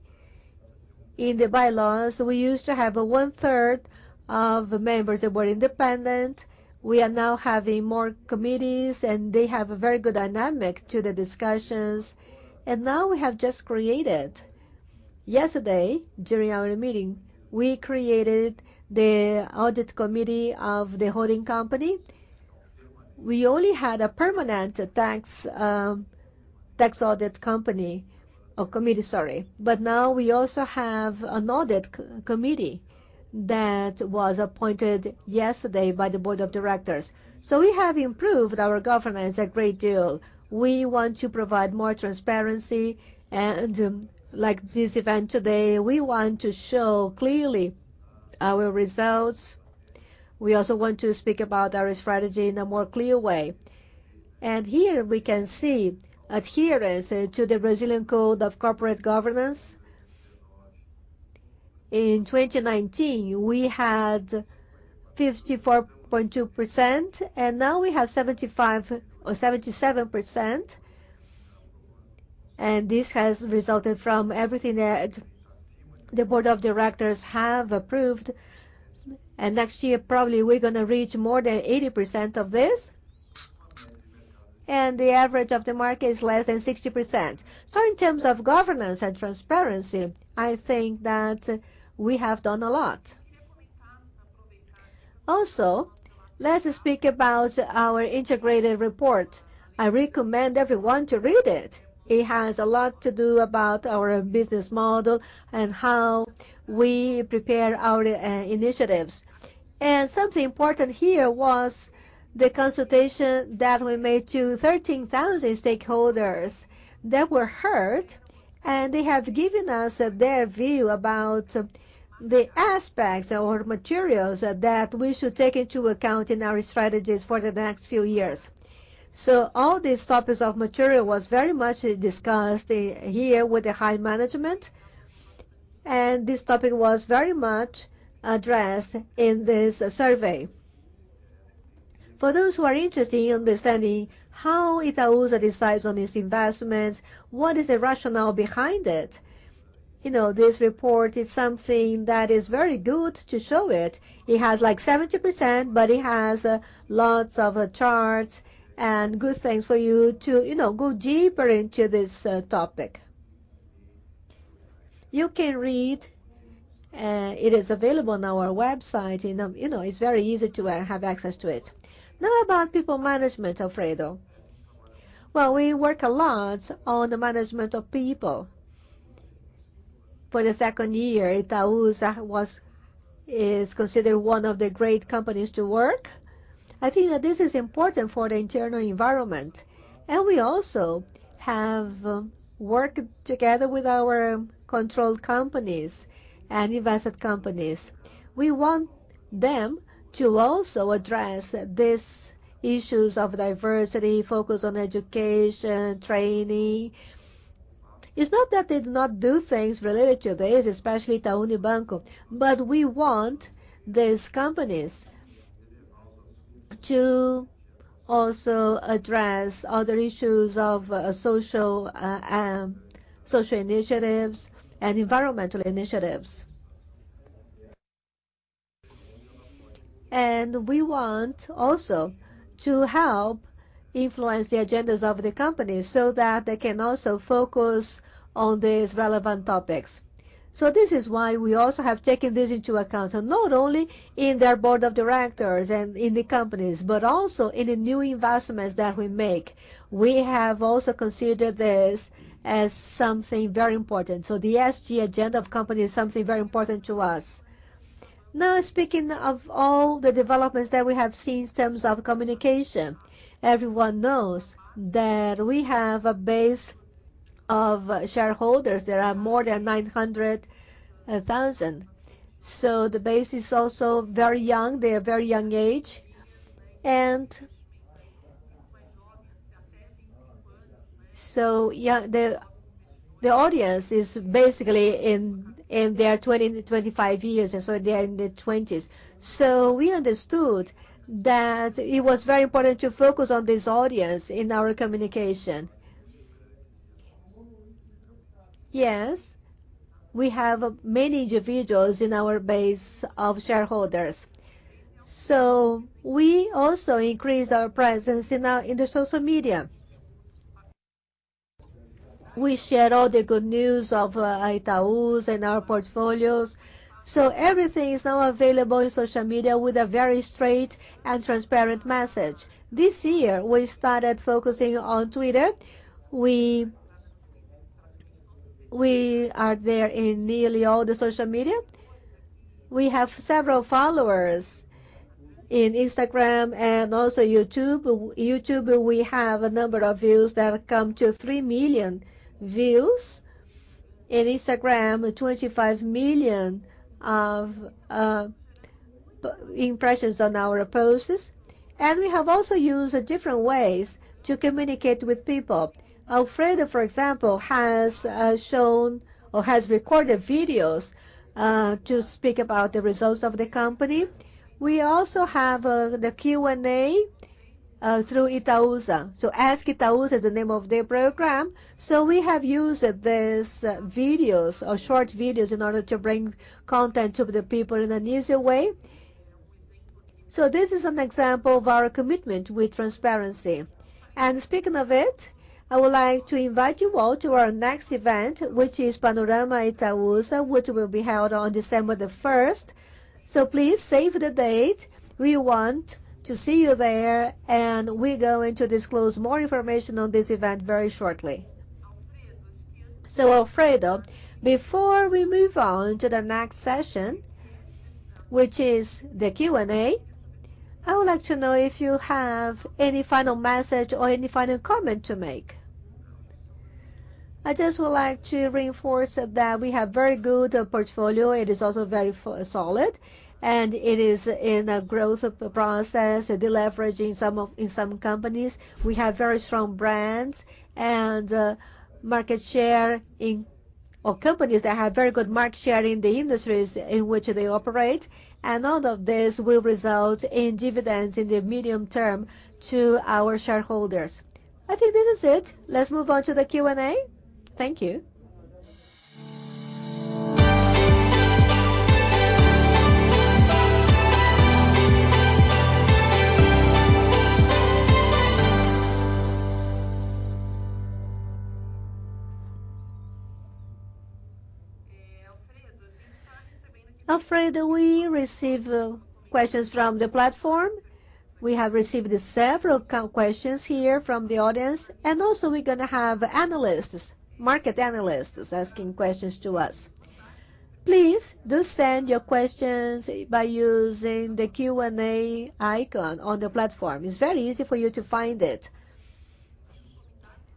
In the bylaws, we used to have one-third of the members that were independent. We are now having more committees, and they have a very good dynamic to the discussions. Now, yesterday, during our meeting, we created the audit committee of the holding company. We only had a permanent tax audit company, or committee, sorry. Now we also have an audit committee that was appointed yesterday by the board of directors. We have improved our governance a great deal. We want to provide more transparency and, like this event today, we want to show clearly our results. We also want to speak about our strategy in a more clear way. Here we can see adherence to the Brazilian Corporate Governance Code. In 2019, we had 54.2%, and now we have 75% or 77%. This has resulted from everything that the board of directors have approved. Next year, probably we're gonna reach more than 80% of this. The average of the market is less than 60%. In terms of governance and transparency, I think that we have done a lot. Also, let's speak about our integrated report. I recommend everyone to read it. It has a lot to do about our business model and how we prepare our initiatives. Something important here was the consultation that we made to 13,000 stakeholders that were heard, and they have given us their view about the material aspects that we should take into account in our strategies for the next few years. All these material topics was very much discussed here with the high management, and this topic was very much addressed in this survey. For those who are interested in understanding how Itaúsa decides on its investments, what is the rationale behind it, you know, this report is something that is very good to show it. It has, like, 70%, but it has lots of charts and good things for you to, you know, go deeper into this topic. You can read. It is available on our website and, you know, it's very easy to have access to it. Now about people management, Alfredo. Well, we work a lot on the management of people. For the second year, Itaú is considered one of the great companies to work. I think that this is important for the internal environment. We also have worked together with our controlled companies and invested companies. We want them to also address these issues of diversity, focus on education, training. It's not that they do not do things related to this, especially Itaú Unibanco, but we want these companies to also address other issues of social initiatives and environmental initiatives. We want also to help influence the agendas of the company so that they can also focus on these relevant topics. This is why we also have taken this into account, and not only in their board of directors and in the companies, but also in the new investments that we make. We have also considered this as something very important. The ESG agenda of the company is something very important to us. Now, speaking of all the developments that we have seen in terms of communication, everyone knows that we have a base of shareholders that are more than 900,000. The base is also very young. They are very young age. The audience is basically in their 20-25 years, and they are in their twenties. We understood that it was very important to focus on this audience in our communication. Yes, we have many individuals in our base of shareholders. We also increase our presence in the social media. We share all the good news of Itaú's and our portfolios. Everything is now available in social media with a very straight and transparent message. This year, we started focusing on Twitter. We are there in nearly all the social media. We have several followers in Instagram and also YouTube. YouTube, we have a number of views that come to 3 million views. In Instagram, 25 million of impressions on our posts. We have also used different ways to communicate with people. Alfredo, for example, has shown or has recorded videos to speak about the results of the company. We also have the Q&A through Itaúsa. Ask Itaúsa is the name of the program. We have used these videos or short videos in order to bring content to the people in an easier way. This is an example of our commitment with transparency. Speaking of it, I would like to invite you all to our next event, which is Panorama Itaúsa, which will be held on December 1st. Please save the date. We want to see you there, and we're going to disclose more information on this event very shortly. Alfredo, before we move on to the next session, which is the Q&A, I would like to know if you have any final message or any final comment to make. I just would like to reinforce that we have very good portfolio. It is also very solid, and it is in a growth process, deleveraging in some companies. We have very strong brands and market share in our companies that have very good market share in the industries in which they operate. All of this will result in dividends in the medium term to our shareholders. I think this is it. Let's move on to the Q&A. Thank you. Alfredo, we receive questions from the platform. We have received several questions here from the audience, and also we're gonna have analysts, market analysts asking questions to us. Please, do send your questions by using the Q&A icon on the platform. It's very easy for you to find it.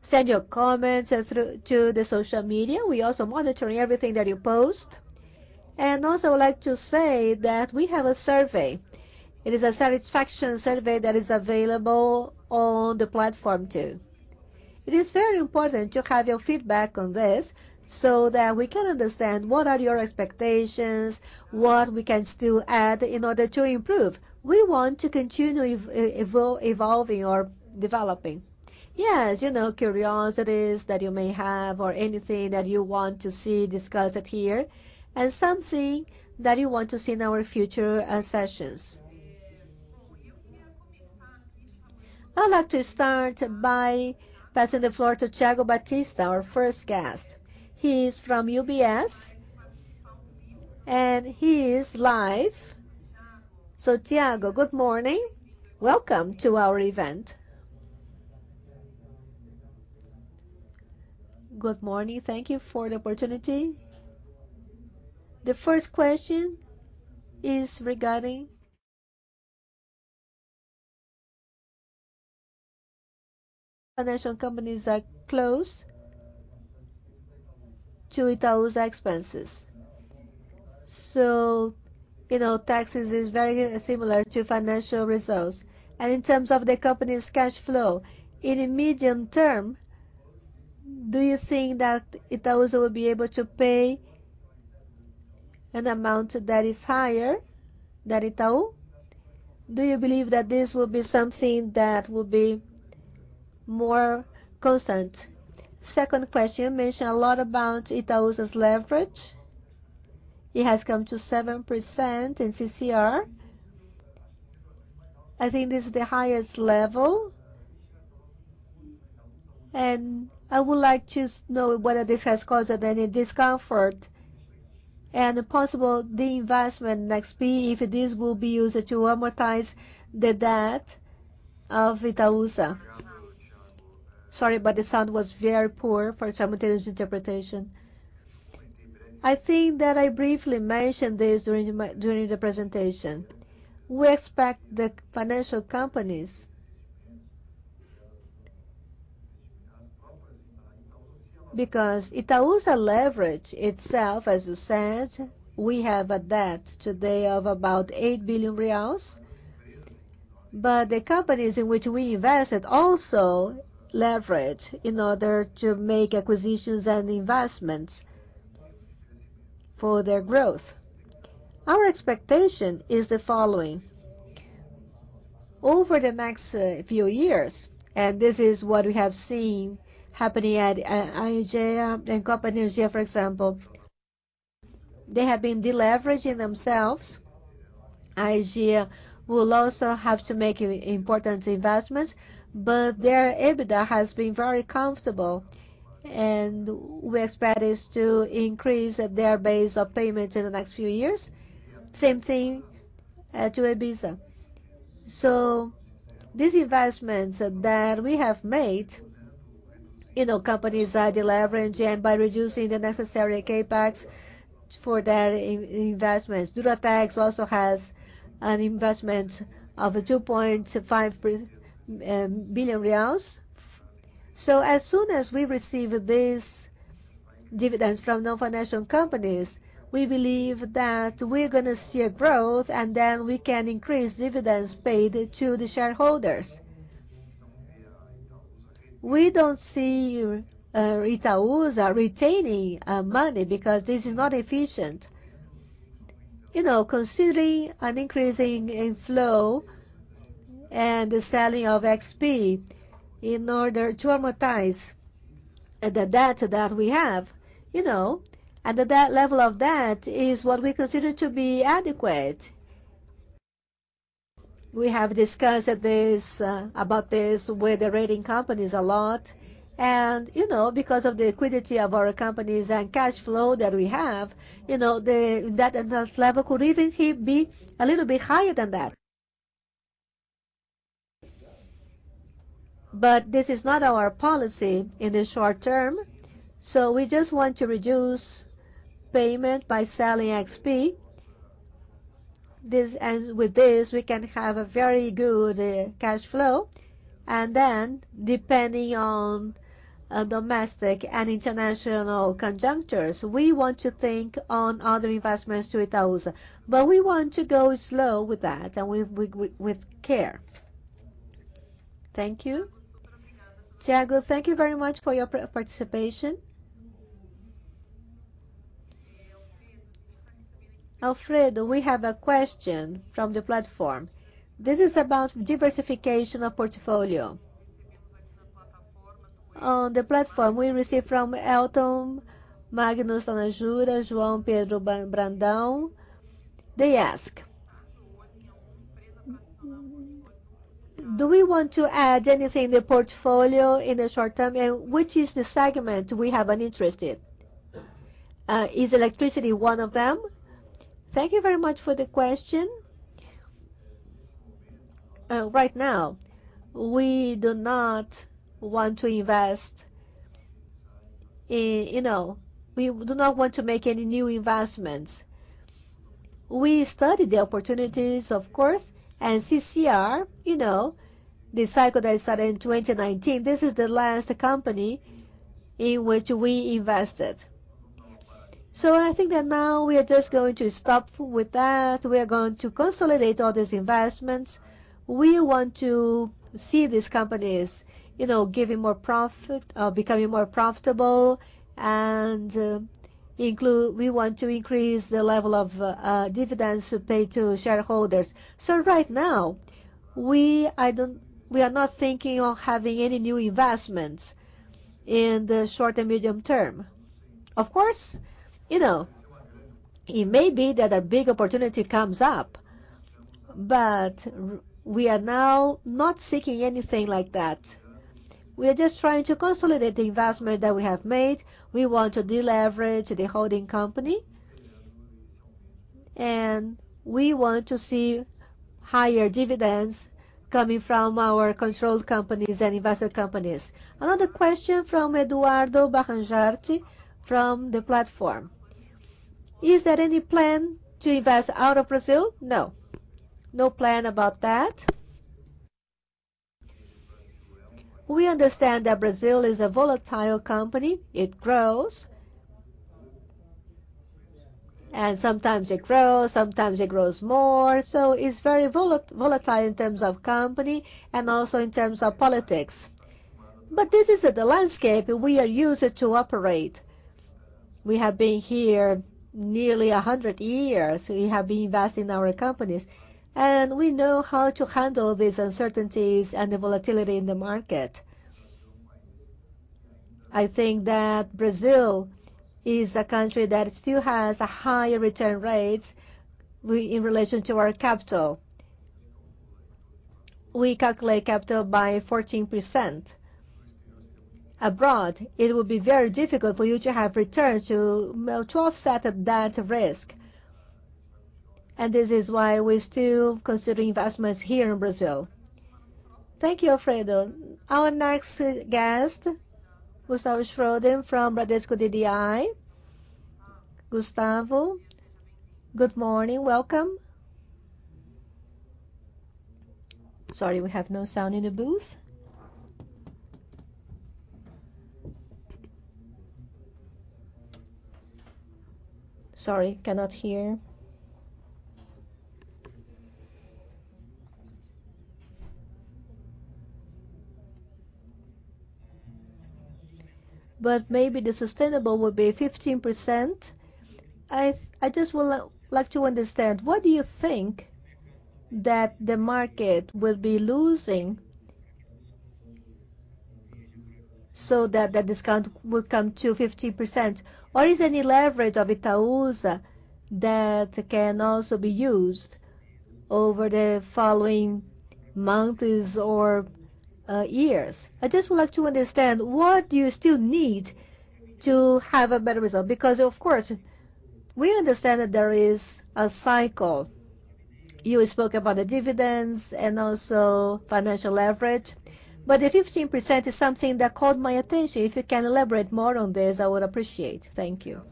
Send your comments through to the social media. We're also monitoring everything that you post. Also I would like to say that we have a survey. It is a satisfaction survey that is available on the platform too. It is very important to have your feedback on this so that we can understand what are your expectations, what we can still add in order to improve. We want to continue evolving or developing. Yes, you know, curiosities that you may have or anything that you want to see discussed here and something that you want to see in our future sessions. I'd like to start by passing the floor to Thiago Batista, our first guest. He's from UBS and he is live. Thiago, good morning. Welcome to our event. Good morning. Thank you for the opportunity. The first question is regarding financial companies are close to Itaú's expenses. You know, taxes is very similar to financial results. In terms of the company's cash flow, in the medium term, do you think that Itaú's will be able to pay an amount that is higher than Itaú? Do you believe that this will be something that will be more constant? Second question, you mentioned a lot about Itaú's leverage. It has come to 7% in CCR. I think this is the highest level and I would like to know whether this has caused any discomfort and possible the investment next be if this will be used to amortize the debt of Itaúsa. Sorry, but the sound was very poor for simultaneous interpretation. I think that I briefly mentioned this during the presentation. We expect the financial companies because Itaúsa leverage itself, as you said, we have a debt today of about 8 billion reais. The companies in which we invested also leverage in order to make acquisitions and investments for their growth. Our expectation is the following. Over the next few years, and this is what we have seen happening at Aegea and companies Aegea, for example, they have been de-leveraging themselves. Aegea will also have to make important investments, but their EBITDA has been very comfortable and we expect this to increase their base of payments in the next few years. Same thing to [Alpargatas]. These investments that we have made, you know, companies are de-leveraging by reducing the necessary CapEx for their investments. Duratex also has an investment of 2.5 billion reais. As soon as we receive these dividends from non-financial companies, we believe that we're gonna see a growth and then we can increase dividends paid to the shareholders. We don't see Itaú's retaining money because this is not efficient. You know, considering an increasing inflow and the selling of XP in order to amortize the debt that we have, you know. The level of debt is what we consider to be adequate. We have discussed this about this with the rating companies a lot. You know, because of the liquidity of our companies and cash flow that we have, you know, that enhanced level could even be a little bit higher than that. This is not our policy in the short term, so we just want to reduce payment by selling XP. With this, we can have a very good cash flow. Then depending on domestic and international conjunctures, we want to think on other investments to Itaúsa. We want to go slow with that and with care. Thank you. Thiago, thank you very much for your participation. Alfredo, we have a question from the platform. This is about diversification of portfolio. On the platform we receive from Elton Magnus, [Donajura], João Pedro Brandão. They ask, "Do we want to add anything in the portfolio in the short term? And which is the segment we have an interest in? Is electricity one of them?" Thank you very much for the question. Right now, we do not want to invest in. You know, we do not want to make any new investments. We study the opportunities, of course, and CCR, you know, the cycle that started in 2019, this is the last company in which we invested. I think that now we are just going to stop with that. We are going to consolidate all these investments. We want to see these companies, you know, giving more profit, becoming more profitable and we want to increase the level of dividends paid to shareholders. Right now, we are not thinking of having any new investments in the short and medium term. Of course, you know, it may be that a big opportunity comes up, but we are now not seeking anything like that. We are just trying to consolidate the investment that we have made. We want to deleverage the holding company, and we want to see higher dividends coming from our controlled companies and invested companies. Another question from [Eduardo Baranjarty] from the platform: "Is there any plan to invest out of Brazil?" No. No plan about that. We understand that Brazil is a volatile economy. It grows. Sometimes it grows, sometimes it grows more. It's very volatile in terms of economy and also in terms of politics. This is the landscape we are used to operate. We have been here nearly 100 years. We have been investing in our companies, and we know how to handle these uncertainties and the volatility in the market. I think that Brazil is a country that still has high return rates in relation to our capital. We calculate capital by 14%. Abroad, it would be very difficult for you to have return to, well, to offset that risk. This is why we still consider investments here in Brazil. Thank you, Alfredo. Our next guest, Gustavo Schroeder from Bradesco BBI. Gustavo, good morning. Welcome. Sorry, we have no sound in the booth. Sorry, cannot hear. Maybe the sustainable will be 15%. I just would like to understand, what do you think that the market will be losing so that the discount will come to 50%? Or is there any leverage of Itaúsa's that can also be used over the following months or years? I just would like to understand what you still need to have a better result. Because of course, we understand that there is a cycle. You spoke about the dividends and also financial leverage, but the 15% is something that caught my attention. If you can elaborate more on this, I would appreciate it. Thank you.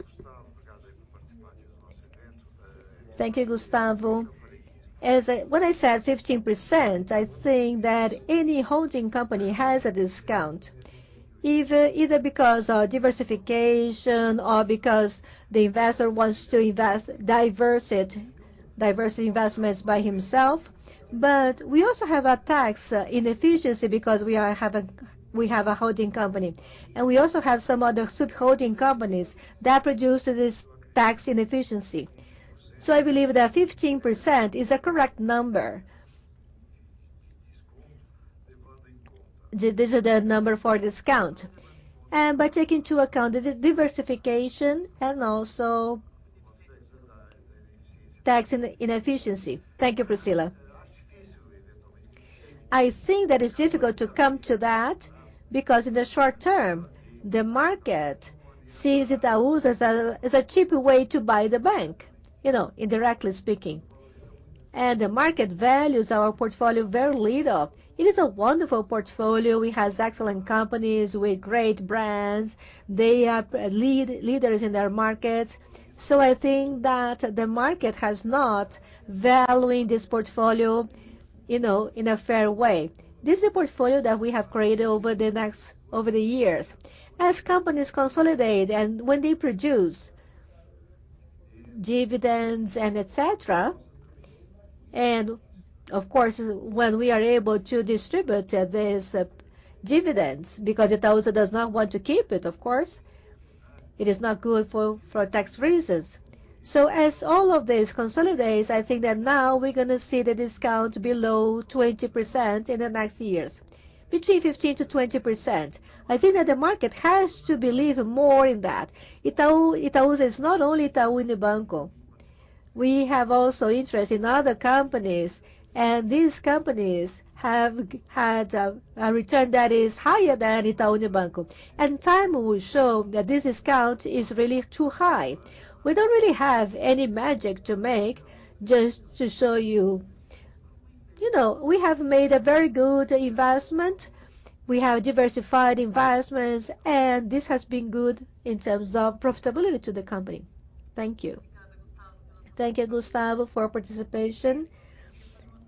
Thank you, Gustavo. When I said 15%, I think that any holding company has a discount, either because of diversification or because the investor wants to invest diversify it, diverse investments by himself. But we also have a tax inefficiency because we have a holding company, and we also have some other sub-holding companies that produce this tax inefficiency. I believe that 15% is a correct number. This is the number for discount. By taking into account the diversification and also tax inefficiency. Thank you, Priscila. I think that it's difficult to come to that because in the short term, the market sees Itaú as a cheap way to buy the bank, you know, indirectly speaking. The market values our portfolio very little. It is a wonderful portfolio. It has excellent companies with great brands. They are leaders in their markets. I think that the market has not valuing this portfolio, you know, in a fair way. This is a portfolio that we have created over the years. As companies consolidate and when they produce dividends and et cetera. Of course, when we are able to distribute this dividends because Itaúsa does not want to keep it, of course, it is not good for tax reasons. As all of this consolidates, I think that now we're gonna see the discount below 20% in the next years. Between 15%-20%. I think that the market has to believe more in that. Itaúsa is not only Itaú Unibanco. We have also interest in other companies, and these companies have had a return that is higher than Itaú Unibanco. Time will show that this discount is really too high. We don't really have any magic to make just to show you. You know, we have made a very good investment. We have diversified investments, and this has been good in terms of profitability to the company. Thank you. Thank you, Gustavo, for participation.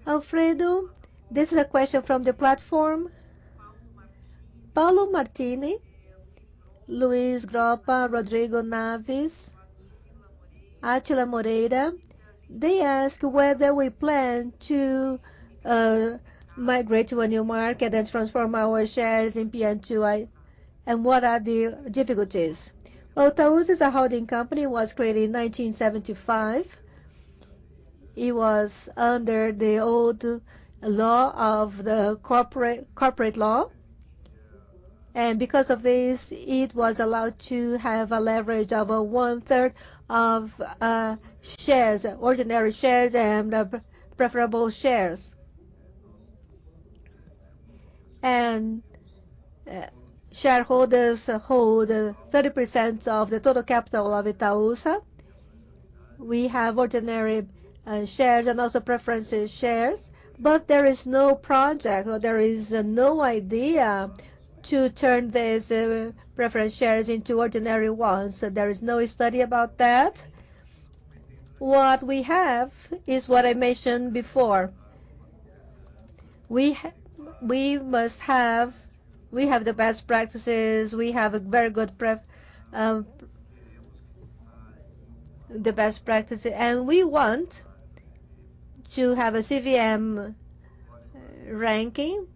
Alfredo, this is a question from the platform. Paulo Martini, Luis Groppa, Rodrigo Naves, Átila Moreira, they ask whether we plan to migrate to a new market and transform our shares in PN into ON and what are the difficulties? Well, Itaúsa is a holding company, it was created in 1975. It was under the old law of the corporate law. Because of this, it was allowed to have a leverage of one-third of shares, ordinary shares and the preferable shares. Shareholders hold 30% of the total capital of Itaúsa. We have ordinary shares and also preference shares. There is no project or there is no idea to turn these preference shares into ordinary ones. There is no study about that. What we have is what I mentioned before. We have the best practices. We have a very good pref, the best practice, and we want to have a CVM ranking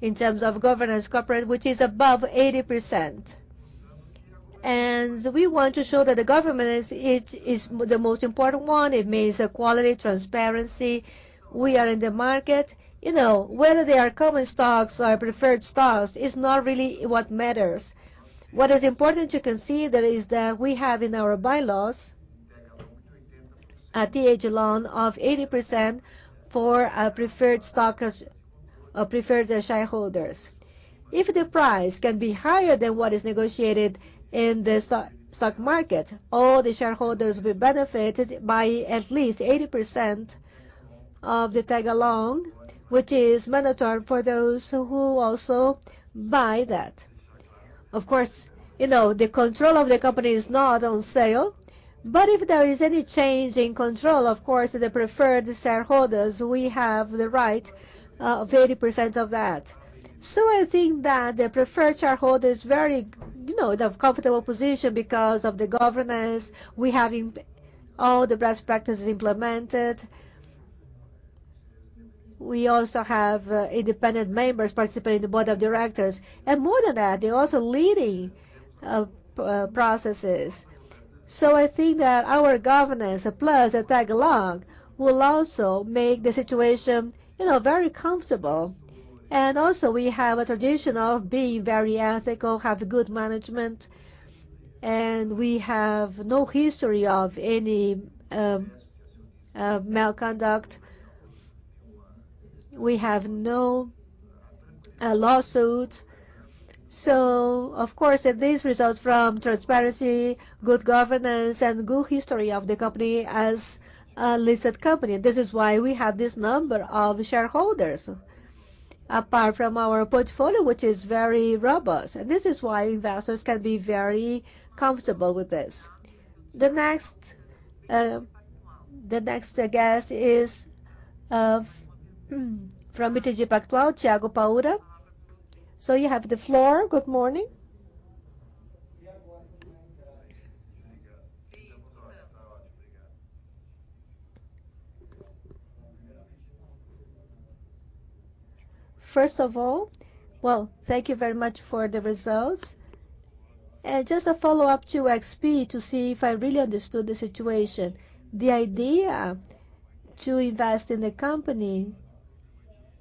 in terms of corporate governance, which is above 80%. We want to show that the governance is, it is the most important one. It means the quality, transparency. We are in the market. You know, whether they are common stocks or preferred stocks is not really what matters. What is important to consider is that we have in our bylaws a tag-along of 80% for preferred stockholders or preferred shareholders. If the price can be higher than what is negotiated in the stock market, all the shareholders will benefited by at least 80% of the tag-along, which is mandatory for those who also buy that. Of course, you know, the control of the company is not on sale, but if there is any change in control, of course, the preferred shareholders, we have the right of 80% of that. I think that the preferred shareholder is very, you know, in a comfortable position because of the governance. We have all the best practices implemented. We also have independent members participating in the board of directors. More than that, they're also leading processes. I think that our governance, plus the tag-along, will also make the situation, you know, very comfortable. We also have a tradition of being very ethical, have good management, and we have no history of any misconduct. We have no lawsuits. Of course, these results from transparency, good governance, and good history of the company as a listed company. This is why we have this number of shareholders, apart from our portfolio, which is very robust, and this is why investors can be very comfortable with this. The next guest is from BTG Pactual, Thiago Paura. You have the floor. Good morning. First of all, well, thank you very much for the results. Just a follow-up to XP to see if I really understood the situation. The idea to invest in the company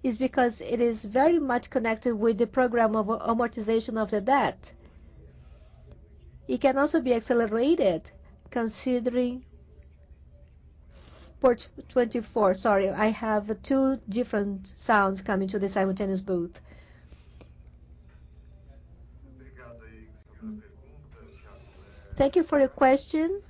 is because it is very much connected with the program of amortization of the debt. It can also be accelerated considering 2024. Sorry, I have two different sounds coming to the simultaneous booth. Thank you for your question.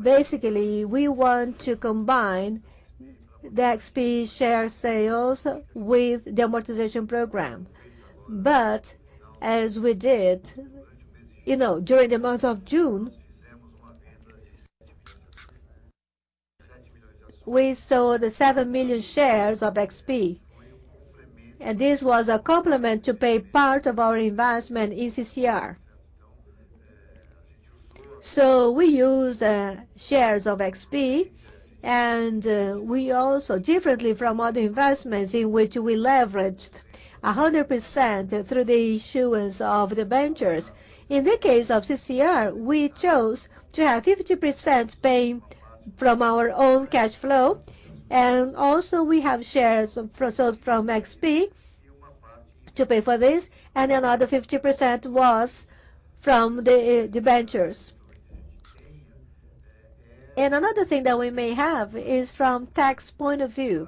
Basically, we want to combine the XP share sales with the amortization program. As we did, you know, during the month of June. We sold 7 million shares of XP, and this was a complement to pay part of our investment in CCR. We used shares of XP and we also differently from other investments in which we leveraged 100% through the issuance of debentures. In the case of CCR, we chose to have 50% paying from our own cash flow. Also we have shares from, sold from XP to pay for this, and another 50% was from the debentures. Another thing that we may have is from tax point of view,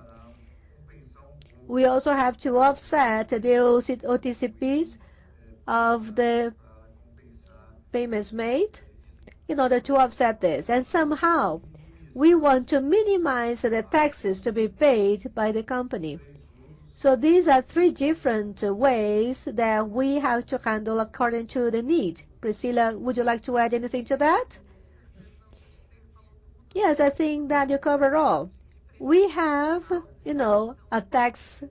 we also have to offset the [OTCPs] of the payments made in order to offset this. Somehow we want to minimize the taxes to be paid by the company. These are three different ways that we have to handle according to the need. Priscila, would you like to add anything to that? Yes, I think that you covered all. We have, you know, a tax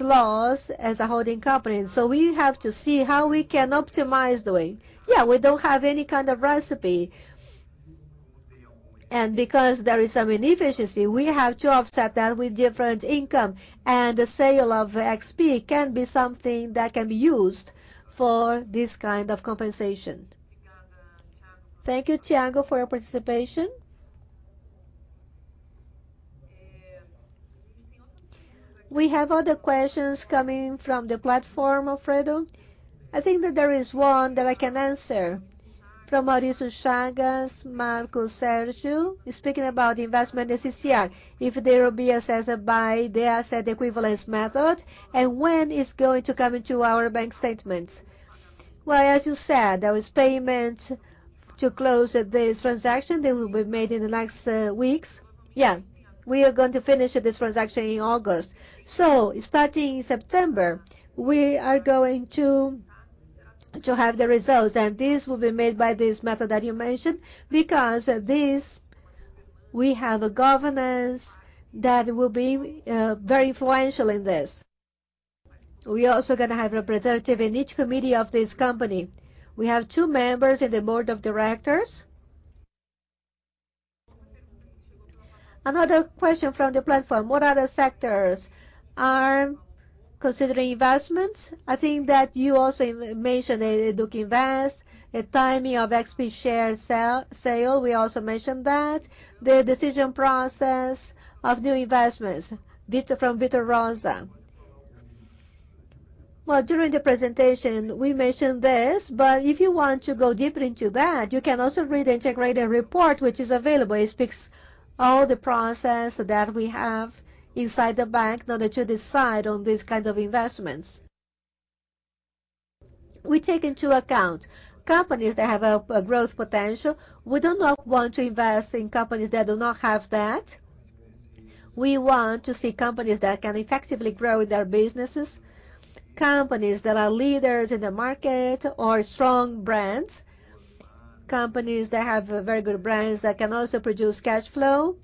laws as a holding company, so we have to see how we can optimize the way. Yeah, we don't have any kind of recipe. Because there is some inefficiency, we have to offset that with different income. The sale of XP can be something that can be used for this kind of compensation. Thank you, Thiago, for your participation. We have other questions coming from the platform, Alfredo. I think that there is one that I can answer from Mauricio Chagas. Marco Sergio is speaking about the investment in CCR. If they will be assessed by the equity method and when it's going to come into our balance sheets. Well, as you said, that was payment to close this transaction that will be made in the next weeks. Yeah, we are going to finish this transaction in August. Starting in September, we are going to have the results. This will be made by this method that you mentioned because this we have a governance that will be very influential in this. We are also gonna have representative in each committee of this company. We have two members in the board of directors. Another question from the platform. What other sectors are considering investments? I think that you also mentioned Duke Energy, the timing of XP share sale. We also mentioned that. The decision process of new investments. Victor from Victor Rosa. Well, during the presentation we mentioned this, but if you want to go deeper into that, you can also read the integrated report, which is available. It speaks all the process that we have inside the bank in order to decide on these kind of investments. We take into account companies that have a growth potential. We do not want to invest in companies that do not have that. We want to see companies that can effectively grow their businesses, companies that are leaders in the market or strong brands, companies that have very good brands that can also produce cash flow.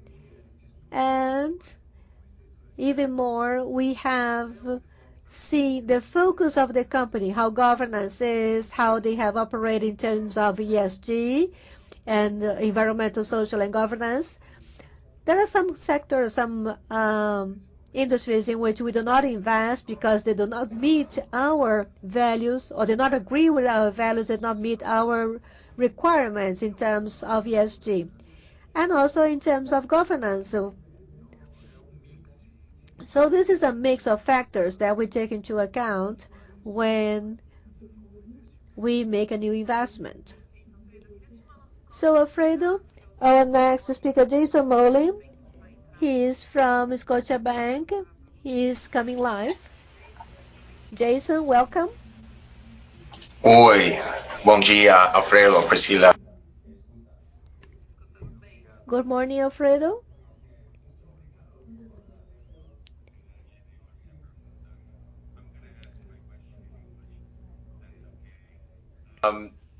Even more, we have seen the focus of the company, how governance is, how they have operated in terms of ESG and environmental, social and governance. There are some sectors, some industries in which we do not invest because they do not meet our values or they not agree with our values, they not meet our requirements in terms of ESG and also in terms of governance. This is a mix of factors that we take into account when we make a new investment. Alfredo, our next speaker, Jason Mollin. He is from Scotiabank. He is coming live. Jason, welcome. Oi. Bom dia, Alfredo, Priscila. Good morning, Alfredo.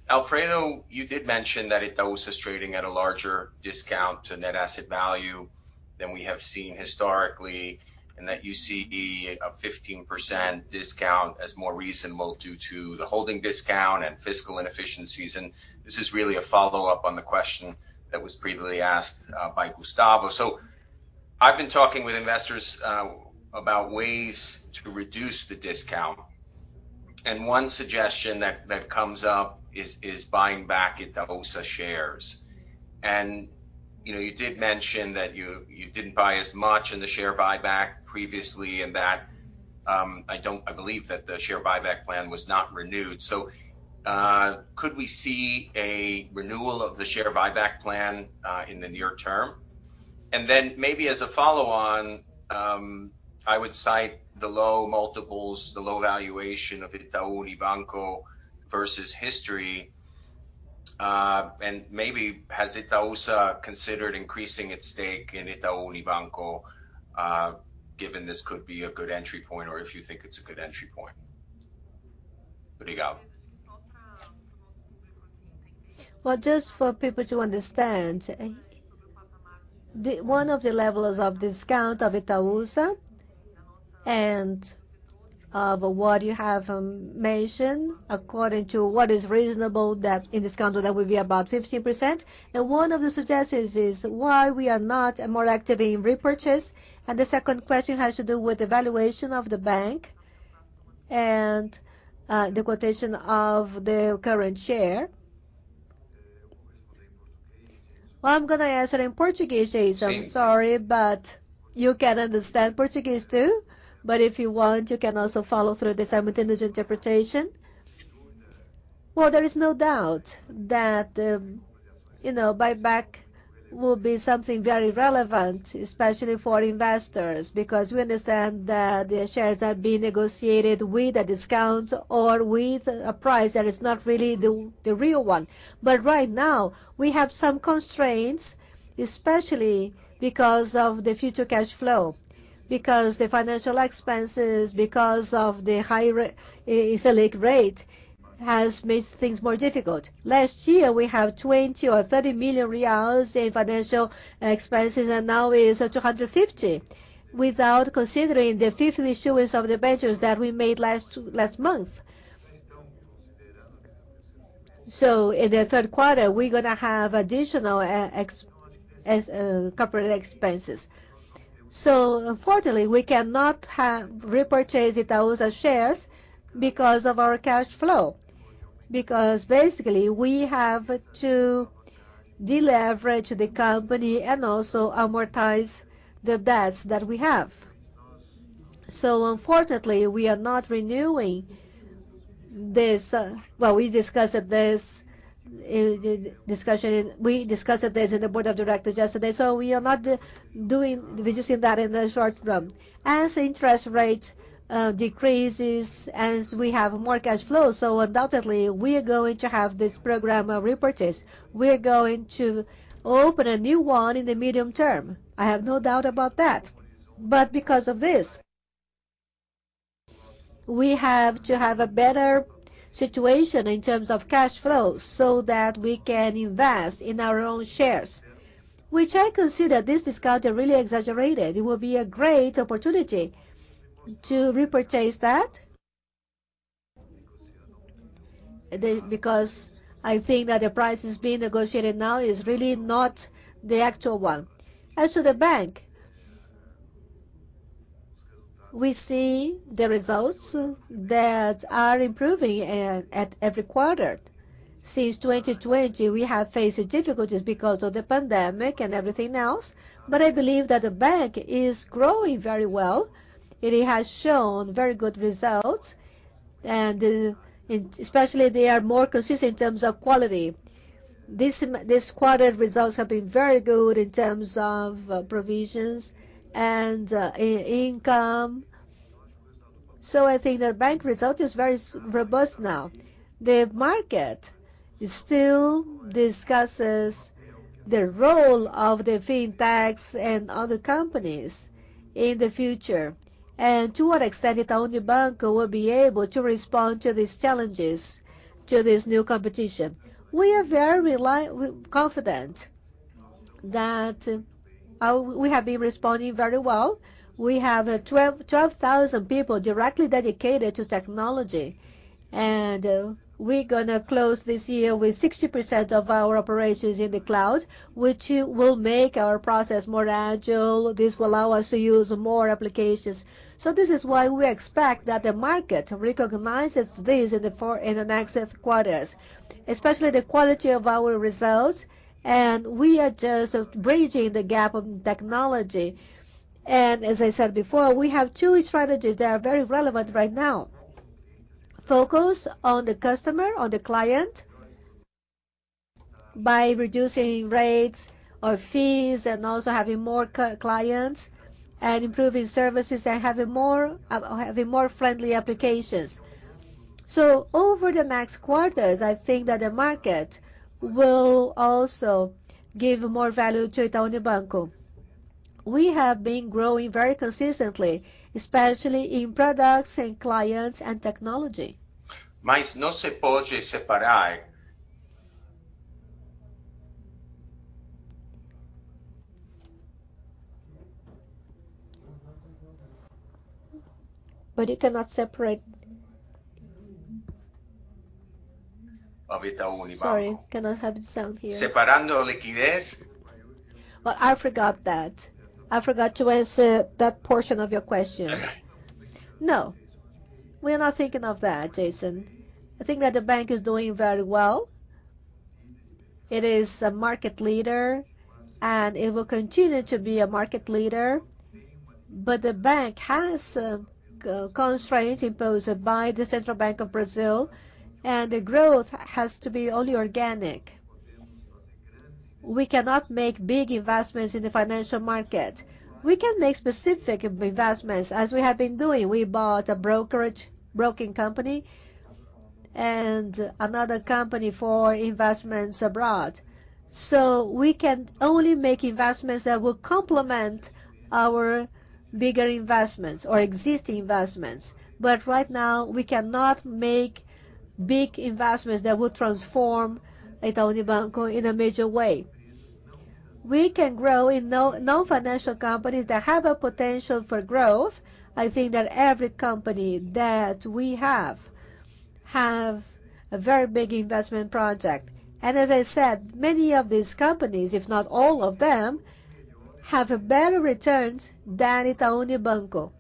Alfredo, you did mention that Itaúsa is trading at a larger discount to net asset value than we have seen historically, and that you see a 15% discount as more reasonable due to the holding discount and fiscal inefficiencies. This is really a follow-up on the question that was previously asked by Gustavo. I've been talking with investors about ways to reduce the discount. One suggestion that comes up is buying back Itaúsa shares. You know, you did mention that you didn't buy as much in the share buyback previously and that I believe that the share buyback plan was not renewed. Could we see a renewal of the share buyback plan in the near term? Then maybe as a follow-on, I would cite the low multiples, the low valuation of Itaú Unibanco versus history. Maybe has Itaú considered increasing its stake in Itaú Unibanco, given this could be a good entry point or if you think it's a good entry point? Obrigado. Well, just for people to understand, the one of the levels of discount of Itaúsa and of what you have mentioned according to what is reasonable that in discount, that would be about 50%. One of the suggestions is why we are not more active in repurchase. The second question has to do with the valuation of the bank and, the quotation of the current share. Well, I'm gonna answer in Portuguese, Jason. Si. I'm sorry, you can understand Portuguese too. If you want, you can also follow through the simultaneous interpretation. Well, there is no doubt that, you know, buyback will be something very relevant, especially for investors, because we understand that the shares are being negotiated with a discount or with a price that is not really the real one. Right now we have some constraints, especially because of the future cash flow, because the financial expenses, because of the high Selic rate has made things more difficult. Last year we have 20 million or BRL 30 million in financial expenses, and now is 250 million without considering the fifth issuance of the debentures that we made last month. In the third quarter, we're gonna have additional extra corporate expenses. Unfortunately, we cannot have repurchased Itaúsa shares because of our cash flow, because basically we have to deleverage the company and also amortize the debts that we have. Unfortunately, we are not renewing this. Well, we discussed this in the board of directors yesterday, so we are not doing, reducing that in the short run. As interest rate decreases, as we have more cash flow, so undoubtedly we are going to have this program of repurchase. We are going to open a new one in the medium term. I have no doubt about that. Because of this, we have to have a better situation in terms of cash flow so that we can invest in our own shares, which I consider this discount really exaggerated. It will be a great opportunity to repurchase that. Because I think that the price is being negotiated now is really not the actual one. As to the bank. We see the results that are improving at every quarter. Since 2020 we have faced difficulties because of the pandemic and everything else, but I believe that the bank is growing very well. It has shown very good results and especially they are more consistent in terms of quality. This quarter results have been very good in terms of provisions and income. So I think the bank result is very robust now. The market still discusses the role of the fintech and other companies in the future, and to what extent Itaú Unibanco will be able to respond to these challenges, to this new competition. We are very confident that we have been responding very well. We have 12,000 people directly dedicated to technology, and we're gonna close this year with 60% of our operations in the cloud, which will make our process more agile. This will allow us to use more applications. This is why we expect that the market recognizes this in the next quarters, especially the quality of our results. We are just bridging the gap of technology. As I said before, we have two strategies that are very relevant right now. Focus on the customer, on the client by reducing rates or fees, and also having more clients and improving services and having more friendly applications. Over the next quarters, I think that the market will also give more value to Itaú Unibanco. We have been growing very consistently, especially in products, in clients and technology. Não se pode separar. You cannot separate. Of Itaú Unibanco. Sorry. Can I have the sound here? Separando liquidez. Well, I forgot that. I forgot to answer that portion of your question. No, we are not thinking of that, Jason. I think that the bank is doing very well. It is a market leader, and it will continue to be a market leader. The bank has constraints imposed by the Central Bank of Brazil, and the growth has to be only organic. We cannot make big investments in the financial market. We can make specific investments as we have been doing. We bought a brokerage broking company and another company for investments abroad. We can only make investments that will complement our bigger investments or existing investments. Right now, we cannot make big investments that will transform Itaú Unibanco in a major way. We can grow in non-financial companies that have a potential for growth. I think that every company that we have a very big investment project. As I said, many of these companies, if not all of them, have better returns than Itaú Unibanco.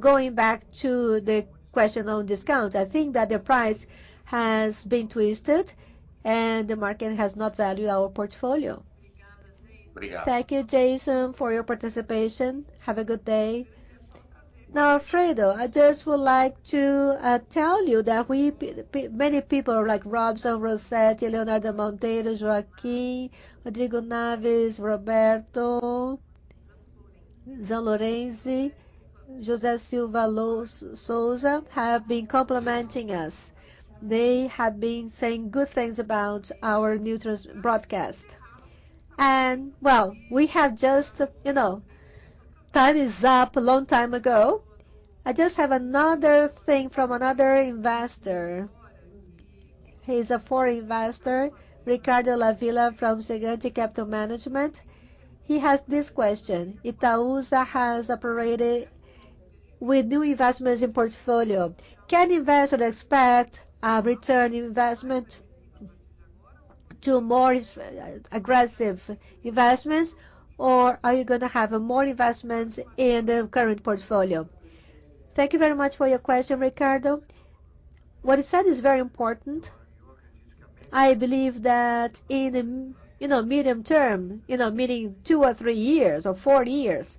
Going back to the question on discounts, I think that the price has been twisted and the market has not valued our portfolio. Obrigado. Thank you, Jason, for your participation. Have a good day. Now, Alfredo, I just would like to tell you that many people like Robson Rossetto, Leonardo Monteiro, Joaquim, Rodrigo Naves, Roberto, João Lorenzi, José Silva e Sousa have been complimenting us. They have been saying good things about our new broadcast. We have just time is up a long time ago. I just have another thing from another investor. He's a foreign investor, Ricardo Lacerda from Saugatuck Capital Management. He has this question: "Itaúsa has operated with no new investments in portfolio. Can investor expect a return to more aggressive investments, or are you gonna have more investments in the current portfolio?" Thank you very much for your question, Ricardo. What you said is very important. I believe that in, you know, medium term, you know, meaning two or three years or four years,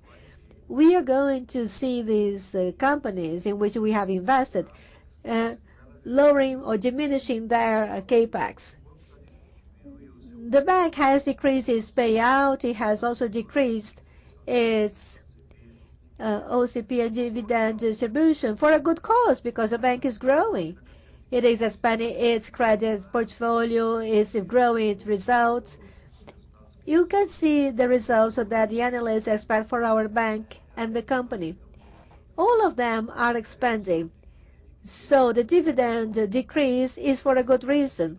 we are going to see these companies in which we have invested lowering or diminishing their CapEx. The bank has decreased its payout. It has also decreased its JCP and dividend distribution. For a good cause, because the bank is growing. It is expanding its credit portfolio. It's growing its results. You can see the results that the analysts expect for our bank and the company. All of them are expanding, so the dividend decrease is for a good reason.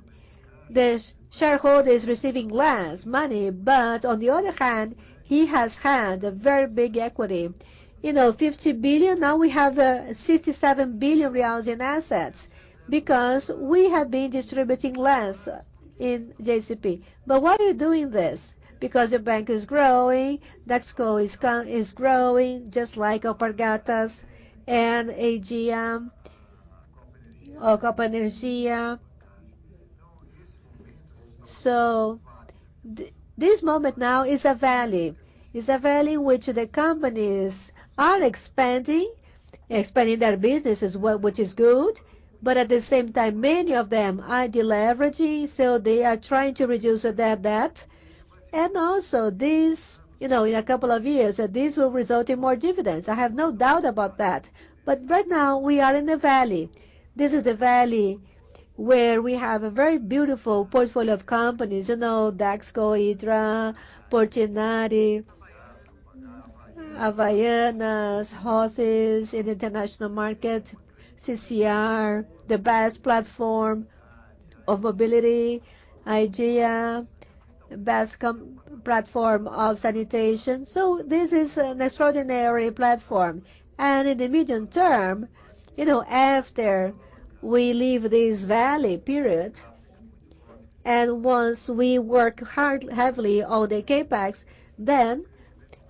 The shareholder is receiving less money, but on the other hand, he has had a very big equity. You know, 50 billion, now we have 67 billion reais in assets because we have been distributing less in JCP. Why are we doing this? Because the bank is growing. Dexco is growing, just like Alpargatas and Aegea or Copa Energia. This moment now is a valley. It's a valley which the companies are expanding their businesses, which is good, but at the same time, many of them are deleveraging, so they are trying to reduce their debt. Also this, you know, in a couple of years, this will result in more dividends. I have no doubt about that. Right now we are in the valley. This is the valley where we have a very beautiful portfolio of companies. You know, Dexco, Hydra, Portinari, Havaianas, Hotels in international markets, CCR, the best platform of mobility, Aegea, best platform of sanitation. This is an extraordinary platform. In the medium term, you know, after we leave this valley period, and once we work hard, heavily on the CapEx, then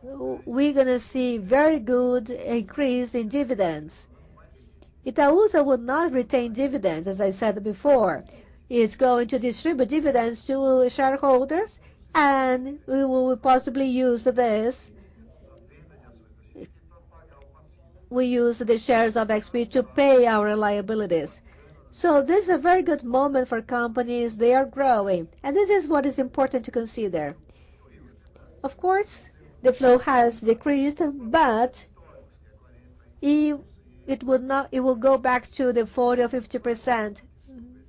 we're gonna see very good increase in dividends. Itaúsa will not retain dividends, as I said before. It's going to distribute dividends to shareholders, and we will possibly use this. We use the shares of XP to pay our liabilities. This is a very good moment for companies. They are growing, and this is what is important to consider. Of course, the flow has decreased, but it will go back to the 40% or 50%.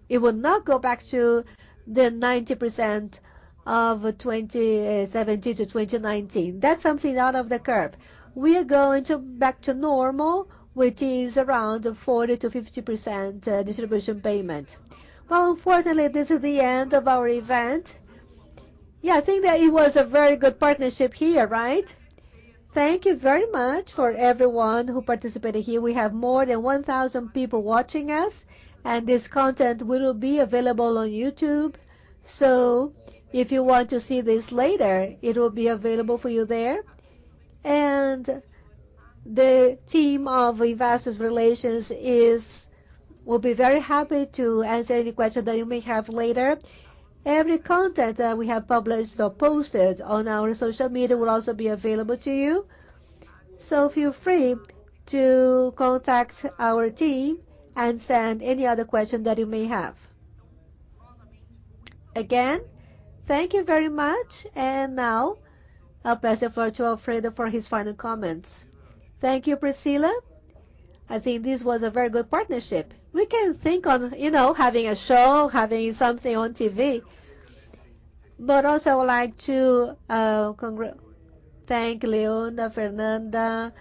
It will not go back to the 90% of 2017 to 2019. That's something out of the curve. We are going to back to normal, which is around 40%-50% distribution payment. Well, unfortunately, this is the end of our event. Yeah, I think that it was a very good partnership here, right? Thank you very much for everyone who participated here. We have more than 1,000 people watching us, and this content will be available on YouTube. If you want to see this later, it will be available for you there. The Investor Relations team will be very happy to answer any questions that you may have later. Every content that we have published or posted on our social media will also be available to you. Feel free to contact our team and send any other question that you may have. Again, thank you very much. Now I'll pass over to Alfredo Setubal for his final comments. Thank you, Priscila Greco. I think this was a very good partnership. We can think on, you know, having a show, having something on TV. Also I would like to thank Leona, Fernanda,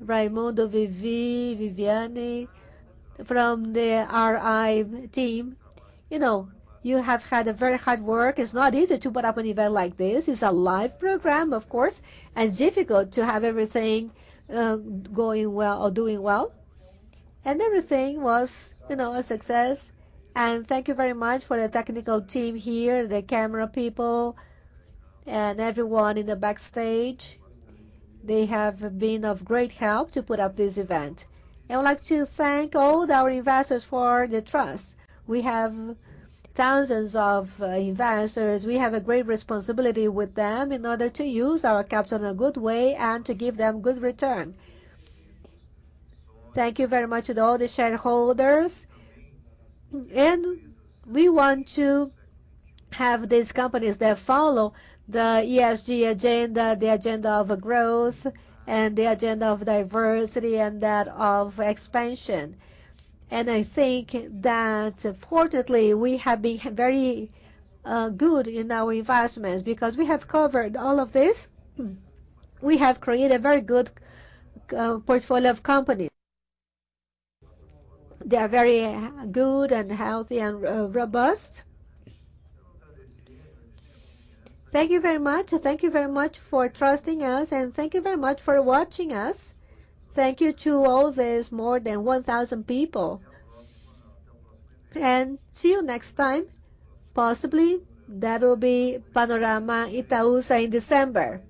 Raimundo, Vivi, Viviane from the RI team. You know, you have had a very hard work. It's not easy to put up an event like this. It's a live program, of course, and it's difficult to have everything going well or doing well. Everything was, you know, a success. Thank you very much for the technical team here, the camera people, and everyone in the backstage. They have been of great help to put up this event. I would like to thank all our investors for the trust. We have thousands of investors. We have a great responsibility with them in order to use our capital in a good way and to give them good return. Thank you very much to all the shareholders. We want to have these companies that follow the ESG agenda, the agenda of growth and the agenda of diversity and that of expansion. I think that fortunately, we have been very good in our investments because we have covered all of this. We have created a very good portfolio of companies. They are very good and healthy and robust. Thank you very much. Thank you very much for trusting us. Thank you very much for watching us. Thank you to all these more than 1,000 people. See you next time. Possibly that will be Panorama Itaúsa in December.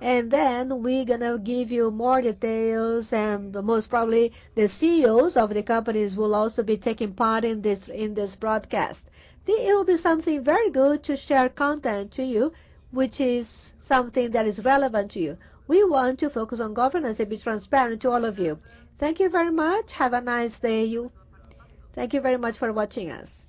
Then we're gonna give you more details and most probably the CEOs of the companies will also be taking part in this broadcast. It will be something very good to share content to you, which is something that is relevant to you. We want to focus on governance and be transparent to all of you. Thank you very much. Have a nice day you. Thank you very much for watching us.